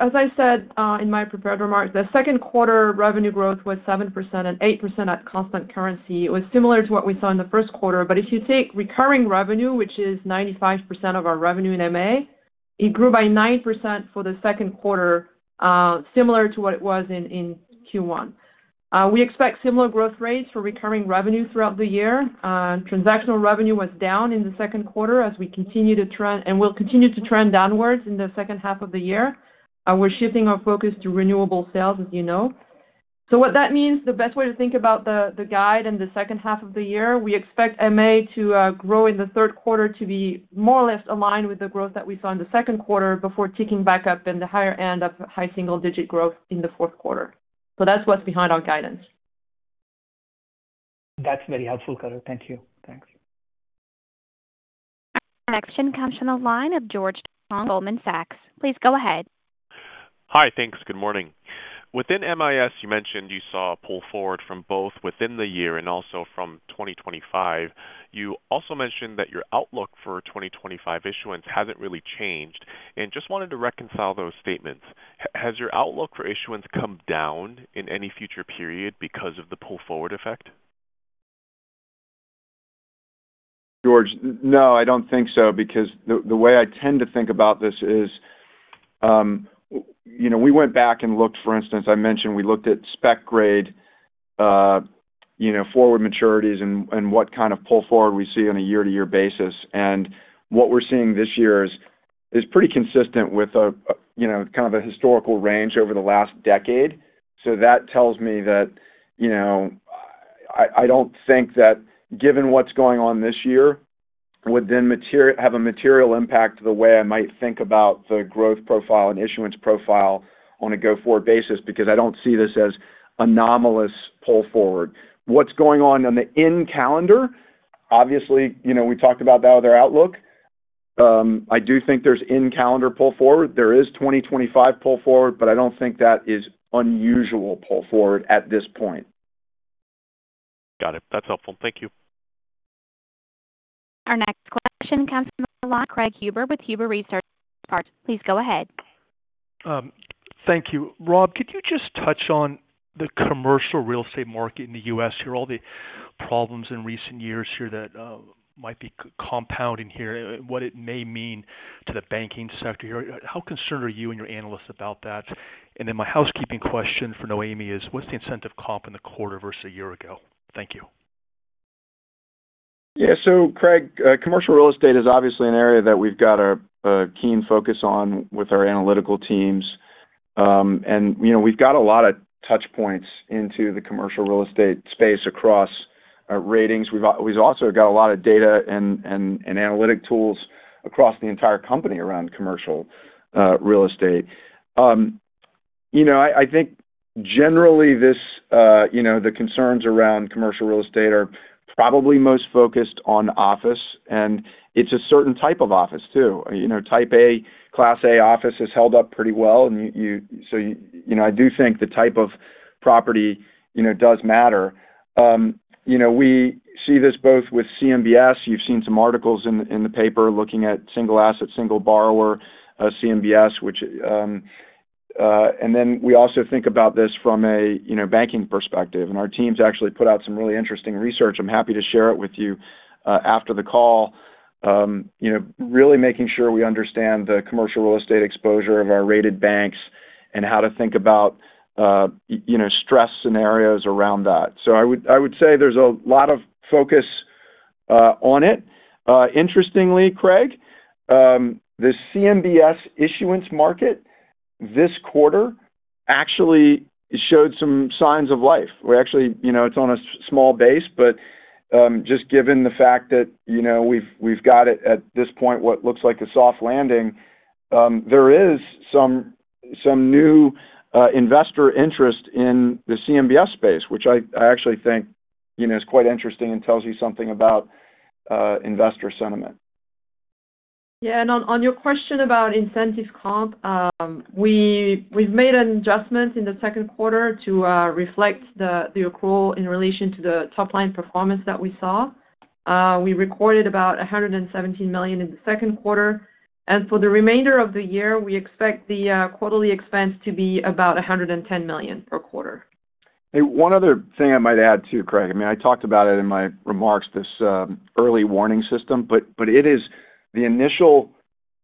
As I said in my prepared remarks, the second quarter revenue growth was 7% and 8% at constant currency. It was similar to what we saw in the first quarter. But if you take recurring revenue, which is 95% of our revenue in MA, it grew by 9% for the second quarter, similar to what it was in Q1. We expect similar growth rates for recurring revenue throughout the year. Transactional revenue was down in the second quarter as we continue to trend and will continue to trend downwards in the second half of the year. We're shifting our focus to renewable sales, as you know. So what that means, the best way to think about the guide and the second half of the year, we expect MA to grow in the third quarter to be more or less aligned with the growth that we saw in the second quarter before ticking back up in the higher end of high single-digit growth in the fourth quarter. So that's what's behind our guidance. That's very helpful color. Thank you. Thanks. Next in comes from the line of George Tong, Goldman Sachs. Please go ahead. Hi. Thanks. Good morning. Within MIS, you mentioned you saw a pull forward from both within the year and also from 2025. You also mentioned that your outlook for 2025 issuance hasn't really changed. And just wanted to reconcile those statements. Has your outlook for issuance come down in any future period because of the pull forward effect? George, no, I don't think so because the way I tend to think about this is we went back and looked, for instance, I mentioned we looked at spec grade forward maturities and what kind of pull forward we see on a year-to-year basis. And what we're seeing this year is pretty consistent with kind of a historical range over the last decade. So that tells me that I don't think that, given what's going on this year, would then have a material impact the way I might think about the growth profile and issuance profile on a go-forward basis because I don't see this as anomalous pull forward. What's going on in the in-calendar, obviously, we talked about that with our outlook. I do think there's in-calendar pull forward. There is 2025 pull forward, but I don't think that is unusual pull forward at this point. Got it. That's helpful. Thank you. Our next question comes from the line of Craig Huber with Huber Research. Please go ahead. Thank you. Rob, could you just touch on the commercial real estate market in the U.S. here, all the problems in recent years here that might be compounding here, what it may mean to the banking sector here? How concerned are you and your analysts about that? And then my housekeeping question for Noémie is, what's the incentive comp in the quarter versus a year ago? Thank you. Yeah. So Craig, commercial real estate is obviously an area that we've got a keen focus on with our analytical teams. We've got a lot of touchpoints into the commercial real estate space across ratings. We've also got a lot of data and analytic tools across the entire company around commercial real estate. I think generally the concerns around commercial real estate are probably most focused on office. It's a certain type of office too. Type A, Class A office has held up pretty well. And so I do think the type of property does matter. We see this both with CMBS. You've seen some articles in the paper looking at single asset, single borrower CMBS. And then we also think about this from a banking perspective. And our teams actually put out some really interesting research. I'm happy to share it with you after the call, really making sure we understand the commercial real estate exposure of our rated banks and how to think about stress scenarios around that. I would say there's a lot of focus on it. Interestingly, Craig, the CMBS issuance market this quarter actually showed some signs of life. It's on a small base, but just given the fact that we've got at this point what looks like a soft landing, there is some new investor interest in the CMBS space, which I actually think is quite interesting and tells you something about investor sentiment. Yeah. And on your question about incentive comp, we've made an adjustment in the second quarter to reflect the accrual in relation to the top-line performance that we saw. We recorded about $117 million in the second quarter. For the remainder of the year, we expect the quarterly expense to be about $110 million per quarter. One other thing I might add too, Craig. I mean, I talked about it in my remarks, this Early Warning System, but the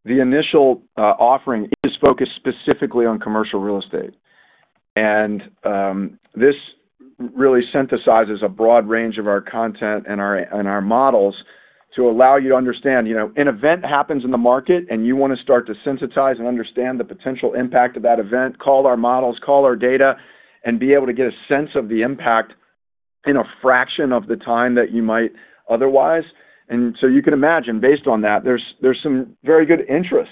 initial offering is focused specifically on commercial real estate. And this really synthesizes a broad range of our content and our models to allow you to understand. An event happens in the market, and you want to start to synthesize and understand the potential impact of that event, call our models, call our data, and be able to get a sense of the impact in a fraction of the time that you might otherwise. You can imagine, based on that, there's some very good interest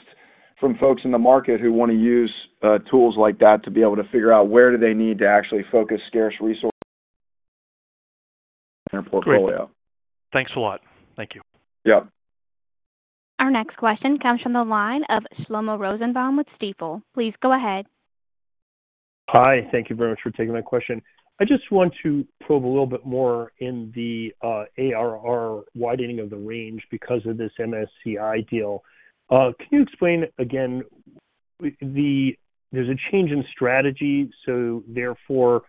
from folks in the market who want to use tools like that to be able to figure out where do they need to actually focus scarce resources in their portfolio. Thanks a lot. Thank you. Yep. Our next question comes from the line of Shlomo Rosenbaum with Stifel. Please go ahead. Hi. Thank you very much for taking my question. I just want to probe a little bit more in the ARR widening of the range because of this MSCI deal. Can you explain again? There's a change in strategy, so therefore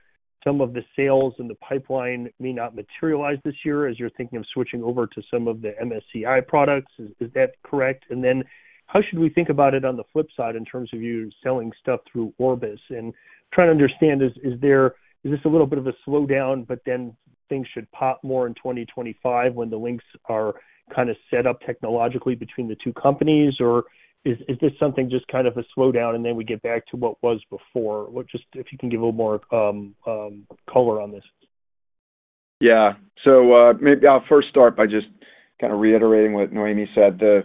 some of the sales and the pipeline may not materialize this year as you're thinking of switching over to some of the MSCI products. Is that correct? Then how should we think about it on the flip side in terms of you selling stuff through Orbis? And trying to understand, is this a little bit of a slowdown, but then things should pop more in 2025 when the links are kind of set up technologically between the two companies? Or is this something just kind of a slowdown, and then we get back to what was before? Just if you can give a little more color on this. Yeah. Maybe I'll first start by just kind of reiterating what Noémie said. The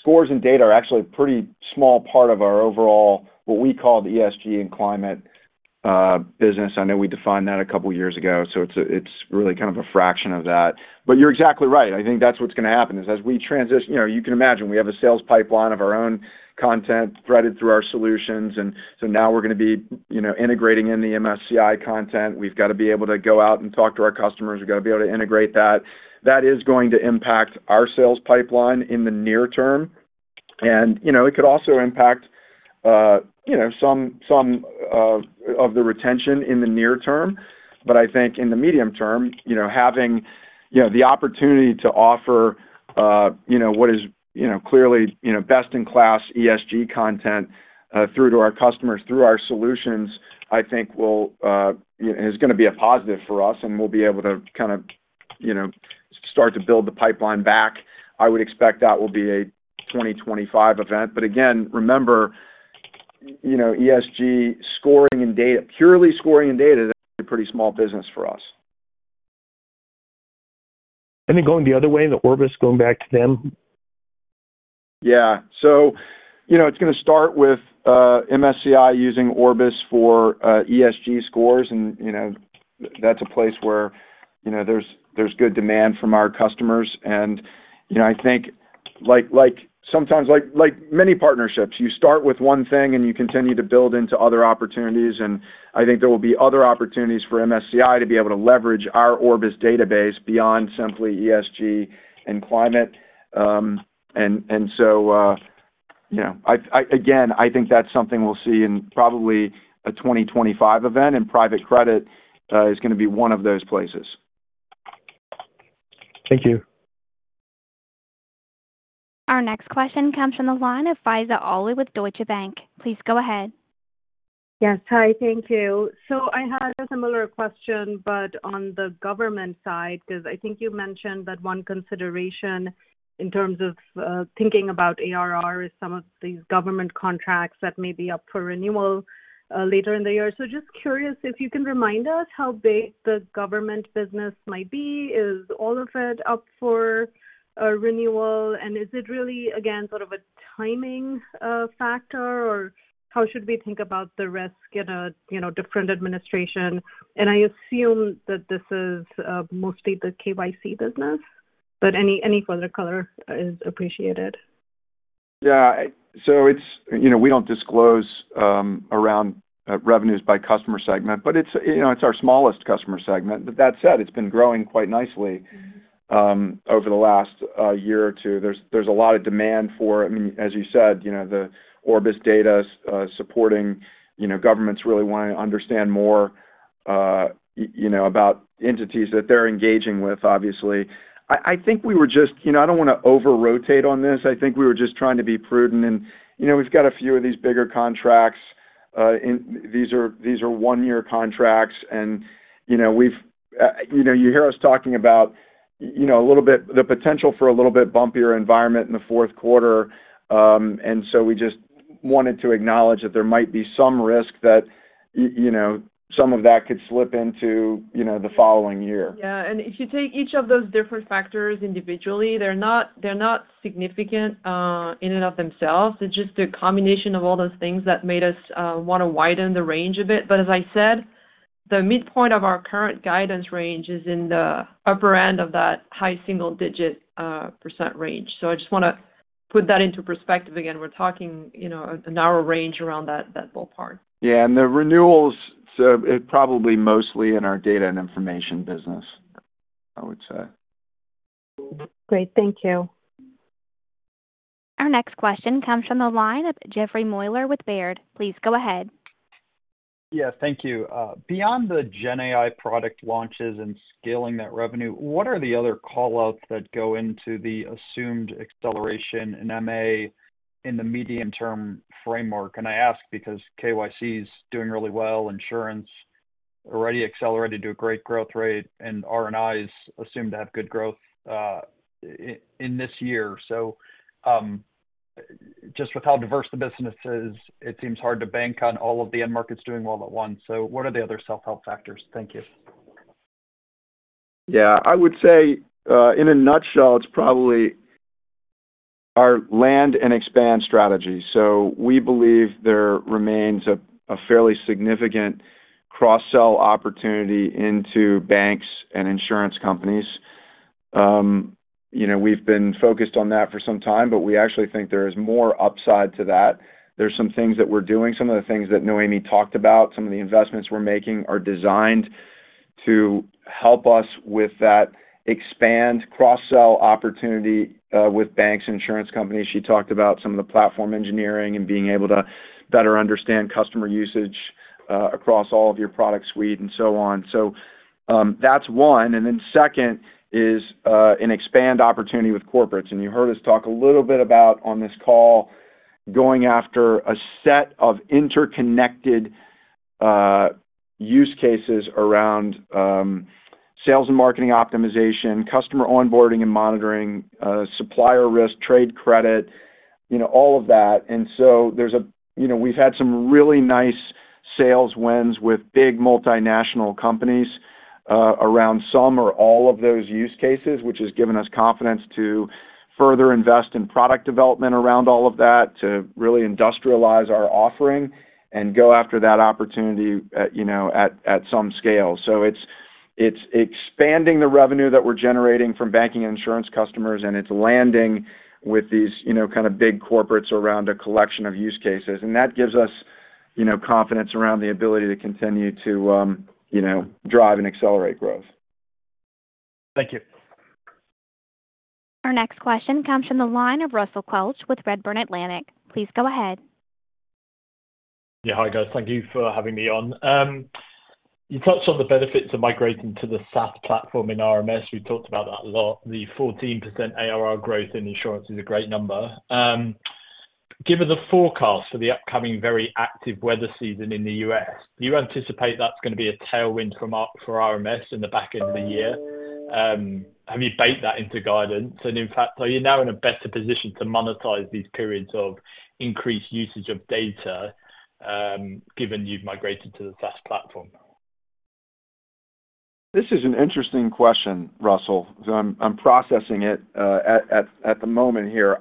scores and data are actually a pretty small part of our overall, what we call the ESG and climate business. I know we defined that a couple of years ago. So it's really kind of a fraction of that. But you're exactly right. I think that's what's going to happen: as we transition, you can imagine we have a sales pipeline of our own content threaded through our solutions. So now we're going to be integrating in the MSCI content. We've got to be able to go out and talk to our customers. We've got to be able to integrate that. That is going to impact our sales pipeline in the near term. And it could also impact some of the retention in the near term. But I think in the medium term, having the opportunity to offer what is clearly best-in-class ESG content through to our customers, through our solutions, I think will—is going to be a positive for us, and we'll be able to kind of start to build the pipeline back. I would expect that will be a 2025 event. But again, remember, ESG scoring and data, purely scoring and data, is a pretty small business for us. And then going the other way, the Orbis, going back to them. Yeah. So it's going to start with MSCI using Orbis for ESG scores. And that's a place where there's good demand from our customers. And I think sometimes, like many partnerships, you start with one thing and you continue to build into other opportunities. And I think there will be other opportunities for MSCI to be able to leverage our Orbis database beyond simply ESG and climate. And so again, I think that's something we'll see in probably a 2025 event, and private credit is going to be one of those places. Thank you. Our next question comes from the line of Faiza Alwy with Deutsche Bank. Please go ahead. Yes. Hi. Thank you. So I had a similar question, but on the government side, because I think you mentioned that one consideration in terms of thinking about ARR is some of these government contracts that may be up for renewal later in the year. So just curious if you can remind us how big the government business might be. Is all of it up for renewal? And is it really, again, sort of a timing factor, or how should we think about the risk in a different administration? And I assume that this is mostly the KYC business, but any further color is appreciated. Yeah. So we don't disclose around revenues by customer segment, but it's our smallest customer segment. But that said, it's been growing quite nicely over the last year or two. There's a lot of demand for it. I mean, as you said, the Orbis data supporting governments really want to understand more about entities that they're engaging with, obviously. I think we were just, I don't want to over-rotate on this. I think we were just trying to be prudent. We've got a few of these bigger contracts. These are one-year contracts. You hear us talking about a little bit the potential for a little bit bumpier environment in the fourth quarter. So we just wanted to acknowledge that there might be some risk that some of that could slip into the following year. Yeah. If you take each of those different factors individually, they're not significant in and of themselves. It's just a combination of all those things that made us want to widen the range a bit. But as I said, the midpoint of our current guidance range is in the upper end of that high single-digit % range. So I just want to put that into perspective. Again, we're talking a narrow range around that ballpark. Yeah. And the renewals, it's probably mostly in our Data & Information business, I would say. Great. Thank you. Our next question comes from the line of Jeffrey Meuler with Baird. Please go ahead. Yes. Thank you. Beyond the GenAI product launches and scaling that revenue, what are the other callouts that go into the assumed acceleration in MA in the medium-term framework? And I ask because KYC is doing really well, insurance already accelerated to a great growth rate, and R&I is assumed to have good growth in this year. So just with how diverse the business is, it seems hard to bank on all of the end markets doing well at once. So what are the other self-help factors? Thank you. Yeah. I would say in a nutshell, it's probably our land and expand strategy. So we believe there remains a fairly significant cross-sell opportunity into banks and insurance companies. We've been focused on that for some time, but we actually think there is more upside to that. There's some things that we're doing. Some of the things that Noémie talked about, some of the investments we're making are designed to help us with that expand cross-sell opportunity with banks, insurance companies. She talked about some of the platform engineering and being able to better understand customer usage across all of your product suite and so on. So that's one. And then second is an expand opportunity with corporates. You heard us talk a little bit about on this call going after a set of interconnected use cases around sales and marketing optimization, customer onboarding and monitoring, supplier risk, trade credit, all of that. And so we've had some really nice sales wins with big multinational companies around some or all of those use cases, which has given us confidence to further invest in product development around all of that to really industrialize our offering and go after that opportunity at some scale. So it's expanding the revenue that we're generating from banking and insurance customers, and it's landing with these kind of big corporates around a collection of use cases. And that gives us confidence around the ability to continue to drive and accelerate growth. Thank you. Our next question comes from the line of Russell Quelch with Redburn Atlantic. Please go ahead. Yeah. Hi, guys. Thank you for having me on. You touched on the benefits of migrating to the SaaS platform in RMS. We talked about that a lot. The 14% ARR growth in insurance is a great number. Given the forecast for the upcoming very active weather season in the U.S., do you anticipate that's going to be a tailwind for RMS in the back end of the year? Have you baked that into guidance? And in fact, are you now in a better position to monetize these periods of increased usage of data given you've migrated to the SaaS platform? This is an interesting question, Russell. So I'm processing it at the moment here.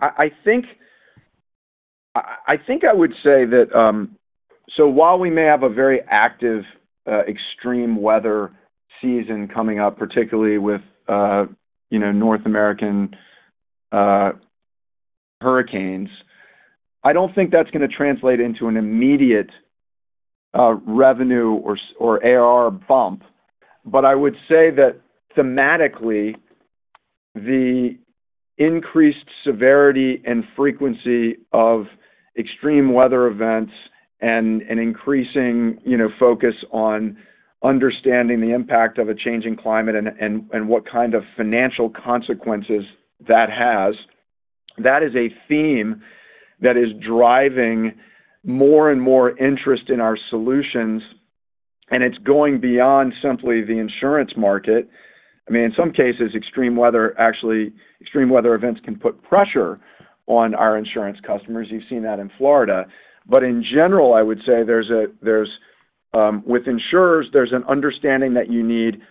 I think I would say that so while we may have a very active extreme weather season coming up, particularly with North American hurricanes, I don't think that's going to translate into an immediate revenue or ARR bump. But I would say that thematically, the increased severity and frequency of extreme weather events and an increasing focus on understanding the impact of a changing climate and what kind of financial consequences that has, that is a theme that is driving more and more interest in our solutions. And it's going beyond simply the insurance market. I mean, in some cases, extreme weather events can put pressure on our insurance customers. You've seen that in Florida. But in general, I would say with insurers, there's an understanding that you need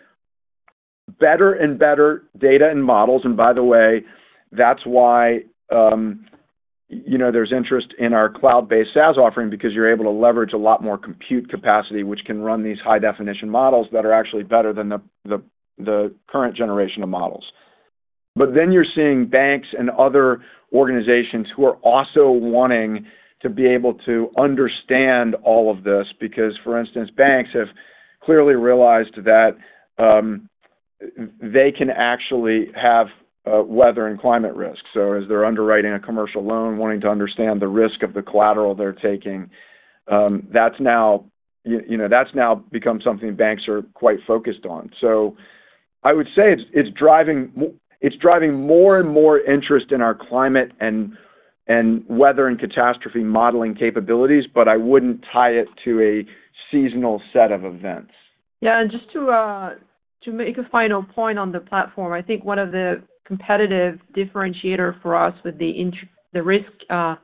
better and better data and models. And by the way, that's why there's interest in our cloud-based SaaS offering because you're able to leverage a lot more compute capacity, which can run these high-definition models that are actually better than the current generation of models. But then you're seeing banks and other organizations who are also wanting to be able to understand all of this because, for instance, banks have clearly realized that they can actually have weather and climate risk. So as they're underwriting a commercial loan, wanting to understand the risk of the collateral they're taking, that's now become something banks are quite focused on. So I would say it's driving more and more interest in our climate and weather and catastrophe modeling capabilities, but I wouldn't tie it to a seasonal set of events. Yeah. Just to make a final point on the platform, I think one of the competitive differentiators for us with the risk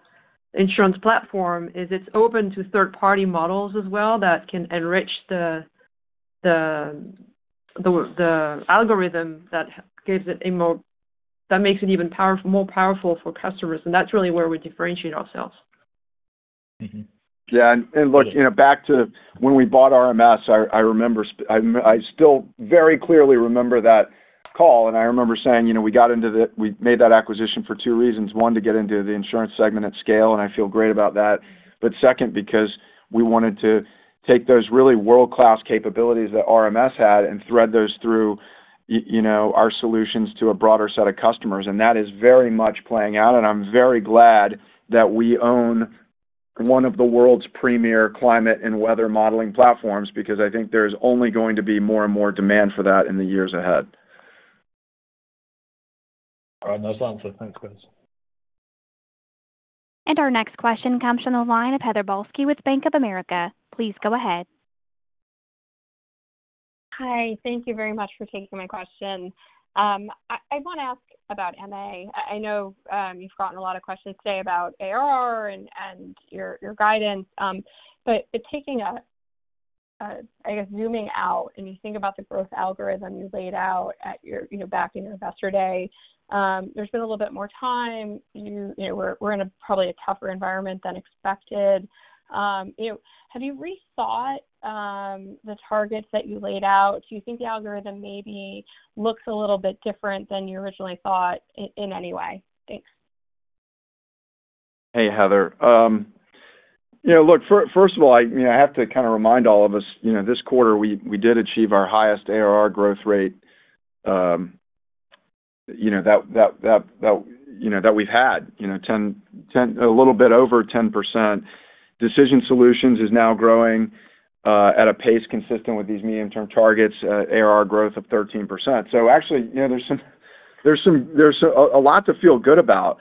insurance platform is it's open to third-party models as well that can enrich the algorithm that gives it a more that makes it even more powerful for customers. And that's really where we differentiate ourselves. Yeah. And look, back to when we bought RMS, I still very clearly remember that call. And I remember saying we made that acquisition for two reasons. One, to get into the insurance segment at scale, and I feel great about that. But second, because we wanted to take those really world-class capabilities that RMS had and thread those through our solutions to a broader set of customers. And that is very much playing out. I'm very glad that we own one of the world's premier climate and weather modeling platforms because I think there's only going to be more and more demand for that in the years ahead. All right. Nice answer. Thanks, guys. Our next question comes from the line of Heather Balsky with Bank of America. Please go ahead. Hi. Thank you very much for taking my question. I want to ask about M&A. I know you've gotten a lot of questions today about ARR and your guidance. But taking a, I guess, zooming out and you think about the growth algorithm you laid out back in your investor day, there's been a little bit more time. We're in a probably a tougher environment than expected. Have you rethought the targets that you laid out? Do you think the algorithm maybe looks a little bit different than you originally thought in any way? Thanks. Hey, Heather. Look, first of all, I have to kind of remind all of us, this quarter, we did achieve our highest ARR growth rate that we've had, a little bit over 10%. Decision Solutions is now growing at a pace consistent with these medium-term targets, ARR growth of 13%. So actually, there's a lot to feel good about.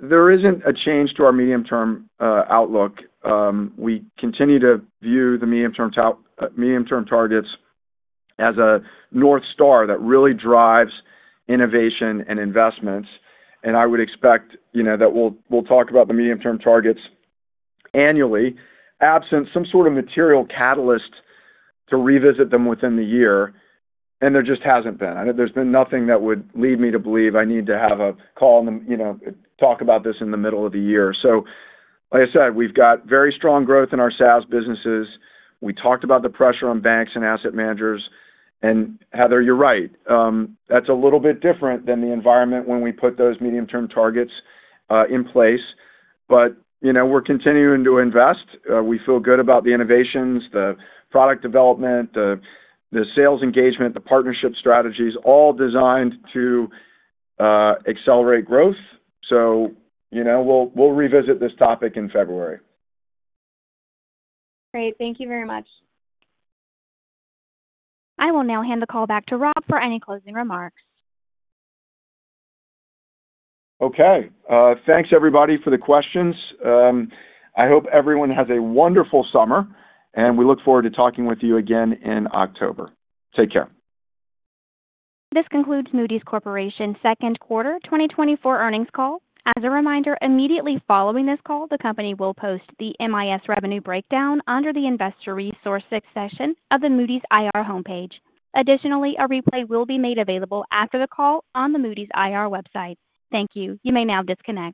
There isn't a change to our medium-term outlook. We continue to view the medium-term targets as a north star that really drives innovation and investments. And I would expect that we'll talk about the medium-term targets annually absent some sort of material catalyst to revisit them within the year. And there just hasn't been. There's been nothing that would lead me to believe I need to have a call and talk about this in the middle of the year. So like I said, we've got very strong growth in our SaaS businesses. We talked about the pressure on banks and asset managers. And Heather, you're right. That's a little bit different than the environment when we put those medium-term targets in place. But we're continuing to invest. We feel good about the innovations, the product development, the sales engagement, the partnership strategies, all designed to accelerate growth. So we'll revisit this topic in February. Great. Thank you very much. I will now hand the call back to Rob for any closing remarks. Okay. Thanks, everybody, for the questions. I hope everyone has a wonderful summer, and we look forward to talking with you again in October. Take care. This concludes Moody's Corporation's second quarter 2024 earnings call. As a reminder, immediately following this call, the company will post the MIS revenue breakdown under the investor resources section of the Moody's IR homepage. Additionally, a replay will be made available after the call on the Moody's IR website. Thank you. You may now disconnect.